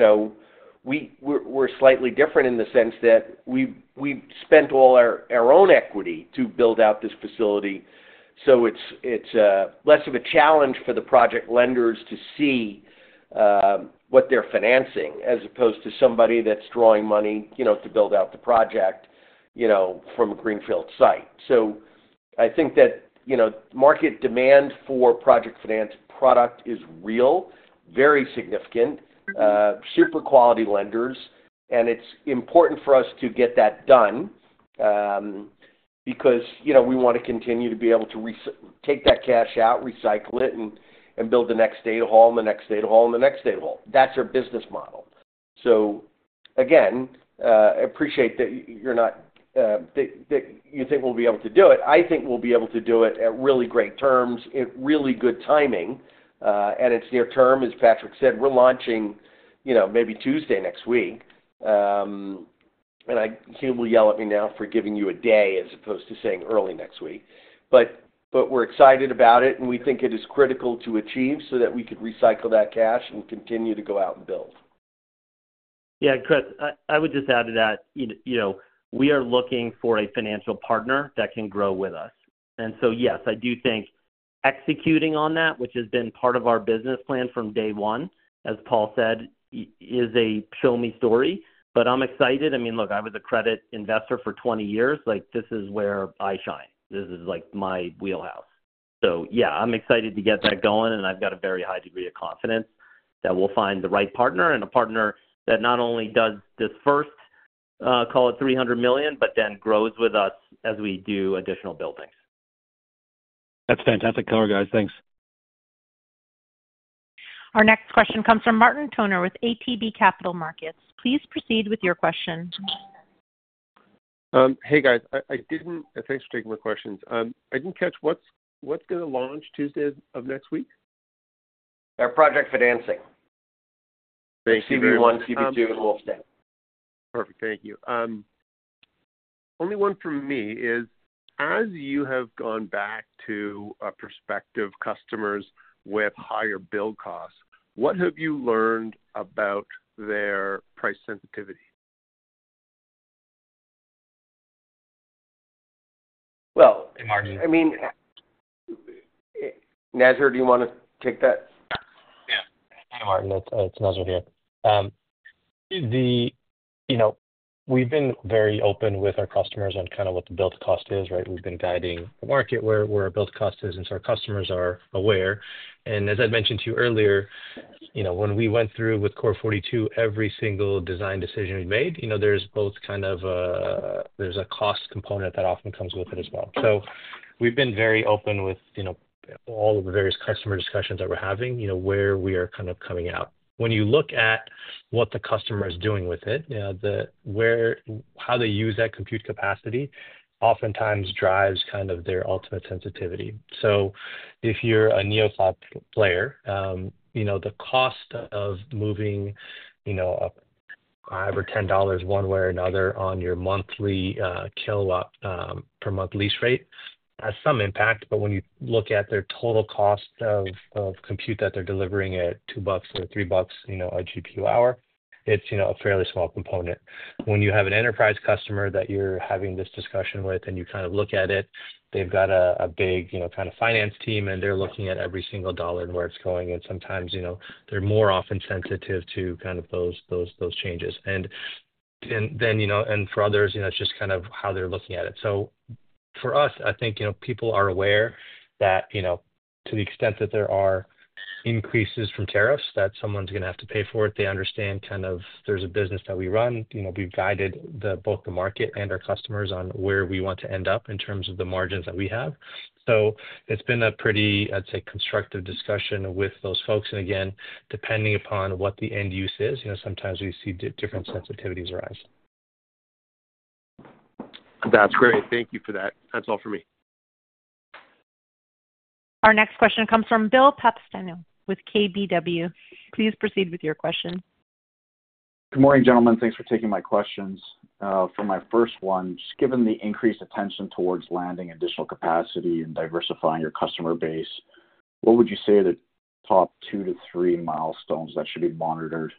are slightly different in the sense that we've spent all our own equity to build out this facility. It's less of a challenge for the project lenders to see what they're financing as opposed to somebody that's drawing money to build out the project from a greenfield site. I think that market demand for project finance product is real, very significant, super quality lenders. It is important for us to get that done because we want to continue to be able to take that cash out, recycle it, and build the next data hall and the next data hall and the next data hall. That is our business model. Again, I appreciate that you think we will be able to do it. I think we will be able to do it at really great terms, at really good timing. It is near term, as Patrick said. We are launching maybe Tuesday next week. I hear people yell at me now for giving you a day as opposed to saying early next week. We are excited about it, and we think it is critical to achieve so that we could recycle that cash and continue to go out and build. Yeah. Chris, I would just add to that. We are looking for a financial partner that can grow with us. Yes, I do think executing on that, which has been part of our business plan from day one, as Paul said, is a show-me story. I am excited. I mean, look, I was a credit investor for 20 years. This is where I shine. This is my wheelhouse. Yeah, I am excited to get that going. I have a very high degree of confidence that we will find the right partner and a partner that not only does this first, call it $300 million, but then grows with us as we do additional buildings. That's fantastic. Connor, guys, thanks. Our next question comes from Martin Toner with ATB Capital Markets. Please proceed with your question. Hey, guys. Thanks for taking my questions. I didn't catch what's going to launch Tuesday of next week? Our project financing. CB1, CB2, and Wolf Den. Perfect. Thank you. Only one for me is, as you have gone back to prospective customers with higher build costs, what have you learned about their price sensitivity? I mean. Nazar, do you want to take that? Yeah. Yeah. Hey, Martin. It's Nazar here. We've been very open with our customers on kind of what the build cost is, right? We've been guiding the market where our build cost is, and our customers are aware. As I mentioned to you earlier, when we went through with Core 42, every single design decision we made, there's both kind of a—there's a cost component that often comes with it as well. We've been very open with all of the various customer discussions that we're having where we are kind of coming out. When you look at what the customer is doing with it, how they use that compute capacity oftentimes drives kind of their ultimate sensitivity. If you're a NeoCloud player, the cost of moving $5 or $10 one way or another on your monthly kilowatt per month lease rate has some impact. When you look at their total cost of compute that they're delivering at $2 or $3 a GPU hour, it's a fairly small component. When you have an enterprise customer that you're having this discussion with and you kind of look at it, they've got a big kind of finance team, and they're looking at every single dollar and where it's going. Sometimes they're more often sensitive to kind of those changes. For others, it's just kind of how they're looking at it. For us, I think people are aware that to the extent that there are increases from tariffs that someone's going to have to pay for it, they understand kind of there's a business that we run. We've guided both the market and our customers on where we want to end up in terms of the margins that we have. It's been a pretty, I'd say, constructive discussion with those folks. Again, depending upon what the end use is, sometimes we see different sensitivities arise. That's great. Thank you for that. That's all for me. Our next question comes from Bill Papanastasiou with Keefe, Bruyette & Woods. Please proceed with your question. Good morning, gentlemen. Thanks for taking my questions. For my first one, just given the increased attention towards landing additional capacity and diversifying your customer base, what would you say are the top two to three milestones that should be monitored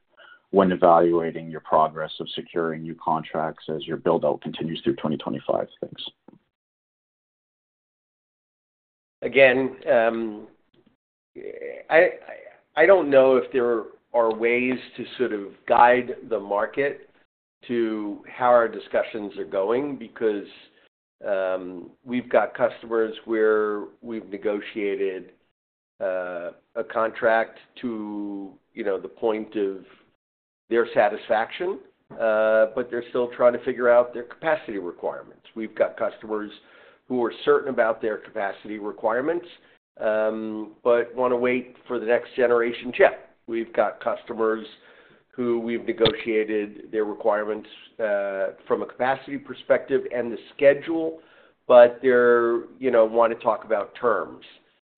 when evaluating your progress of securing new contracts as your build-out continues through 2025? Thanks. Again, I don't know if there are ways to sort of guide the market to how our discussions are going because we've got customers where we've negotiated a contract to the point of their satisfaction, but they're still trying to figure out their capacity requirements. We've got customers who are certain about their capacity requirements but want to wait for the next generation chip. We've got customers who we've negotiated their requirements from a capacity perspective and the schedule, but they want to talk about terms.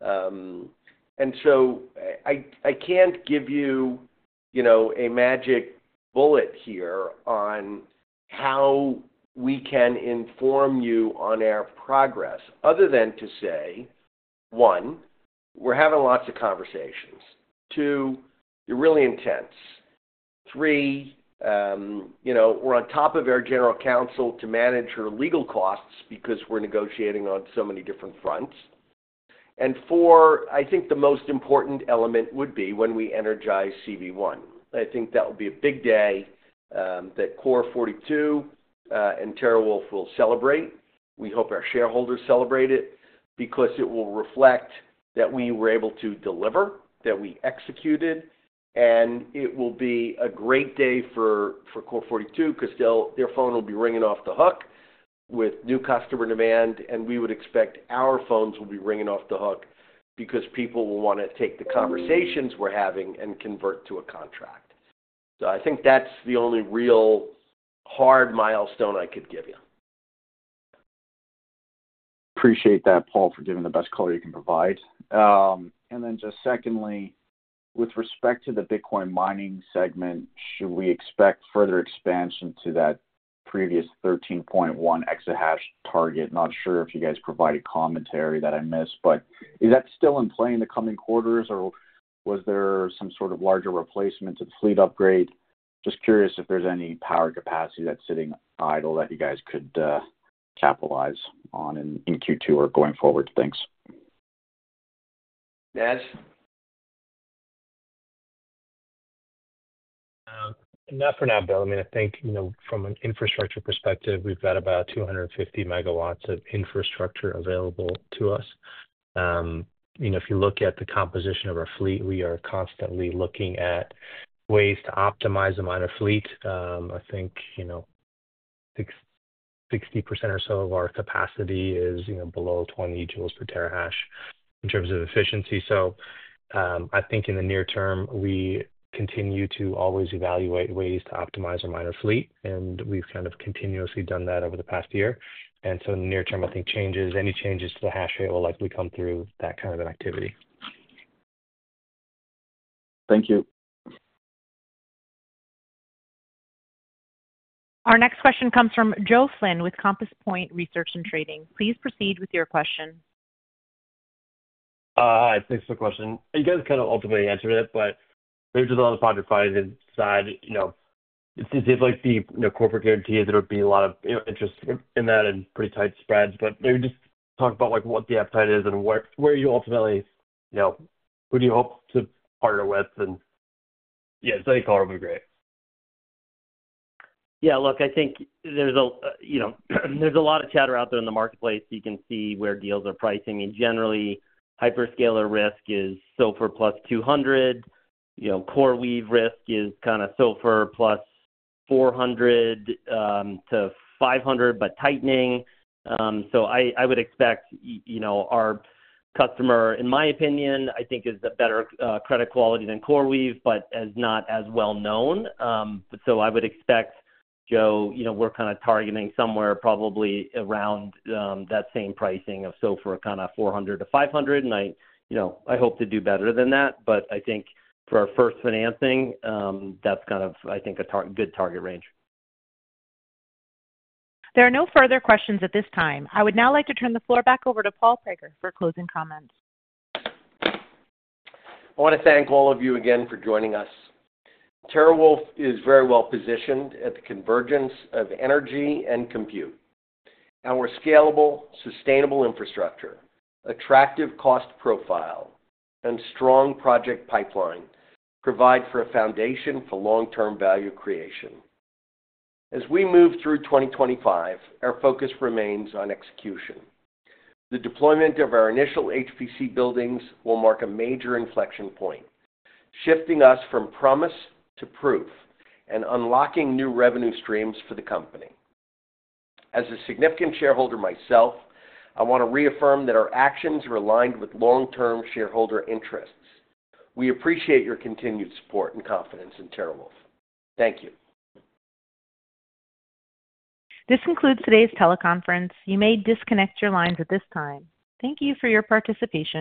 I can't give you a magic bullet here on how we can inform you on our progress other than to say, one, we're having lots of conversations. Two, they're really intense. Three, we're on top of our general counsel to manage your legal costs because we're negotiating on so many different fronts. Four, I think the most important element would be when we energize CB1. I think that will be a big day that Core 42 and TeraWulf will celebrate. We hope our shareholders celebrate it because it will reflect that we were able to deliver, that we executed. It will be a great day for Core 42 because their phone will be ringing off the hook with new customer demand. We would expect our phones will be ringing off the hook because people will want to take the conversations we're having and convert to a contract. I think that's the only real hard milestone I could give you. Appreciate that, Paul, for giving the best color you can provide. Then just secondly, with respect to the Bitcoin mining segment, should we expect further expansion to that previous 13.1 exahash target? Not sure if you guys provided commentary that I missed, but is that still in play in the coming quarters, or was there some sort of larger replacement to the fleet upgrade? Just curious if there's any power capacity that's sitting idle that you guys could capitalize on in Q2 or going forward. Thanks. Not for now, Bill. I mean, I think from an infrastructure perspective, we've got about 250 megawatts of infrastructure available to us. If you look at the composition of our fleet, we are constantly looking at ways to optimize the miner fleet. I think 60% or so of our capacity is below 20 joules per terahash in terms of efficiency. I think in the near term, we continue to always evaluate ways to optimize our miner fleet. We've kind of continuously done that over the past year. In the near term, I think any changes to the hash rate will likely come through that kind of an activity. Thank you. Our next question comes from Joe Flynn with Compass Point Research and Trading. Please proceed with your question. Hi. Thanks for the question. You guys kind of ultimately answered it, but maybe just a lot of project financing side. It seems like the corporate guarantees there would be a lot of interest in that and pretty tight spreads. Maybe just talk about what the appetite is and where you ultimately who do you hope to partner with? Yeah, study color would be great. Yeah. Look, I think there's a lot of chatter out there in the marketplace. You can see where deals are pricing. Generally, hyperscaler risk is SOFR plus 200. CoreWeave risk is kind of SOFR plus 400-500, but tightening. I would expect our customer, in my opinion, I think is a better credit quality than CoreWeave, but is not as well-known. I would expect, Joe, we're kind of targeting somewhere probably around that same pricing of SOFR kind of 400-500. I hope to do better than that. I think for our first financing, that's kind of, I think, a good target range. There are no further questions at this time. I would now like to turn the floor back over to Paul Prager for closing comments. I want to thank all of you again for joining us. TeraWulf is very well positioned at the convergence of energy and compute. Our scalable, sustainable infrastructure, attractive cost profile, and strong project pipeline provide for a foundation for long-term value creation. As we move through 2025, our focus remains on execution. The deployment of our initial HPC buildings will mark a major inflection point, shifting us from promise to proof and unlocking new revenue streams for the company. As a significant shareholder myself, I want to reaffirm that our actions are aligned with long-term shareholder interests. We appreciate your continued support and confidence in TeraWulf. Thank you. This concludes today's teleconference. You may disconnect your lines at this time. Thank you for your participation.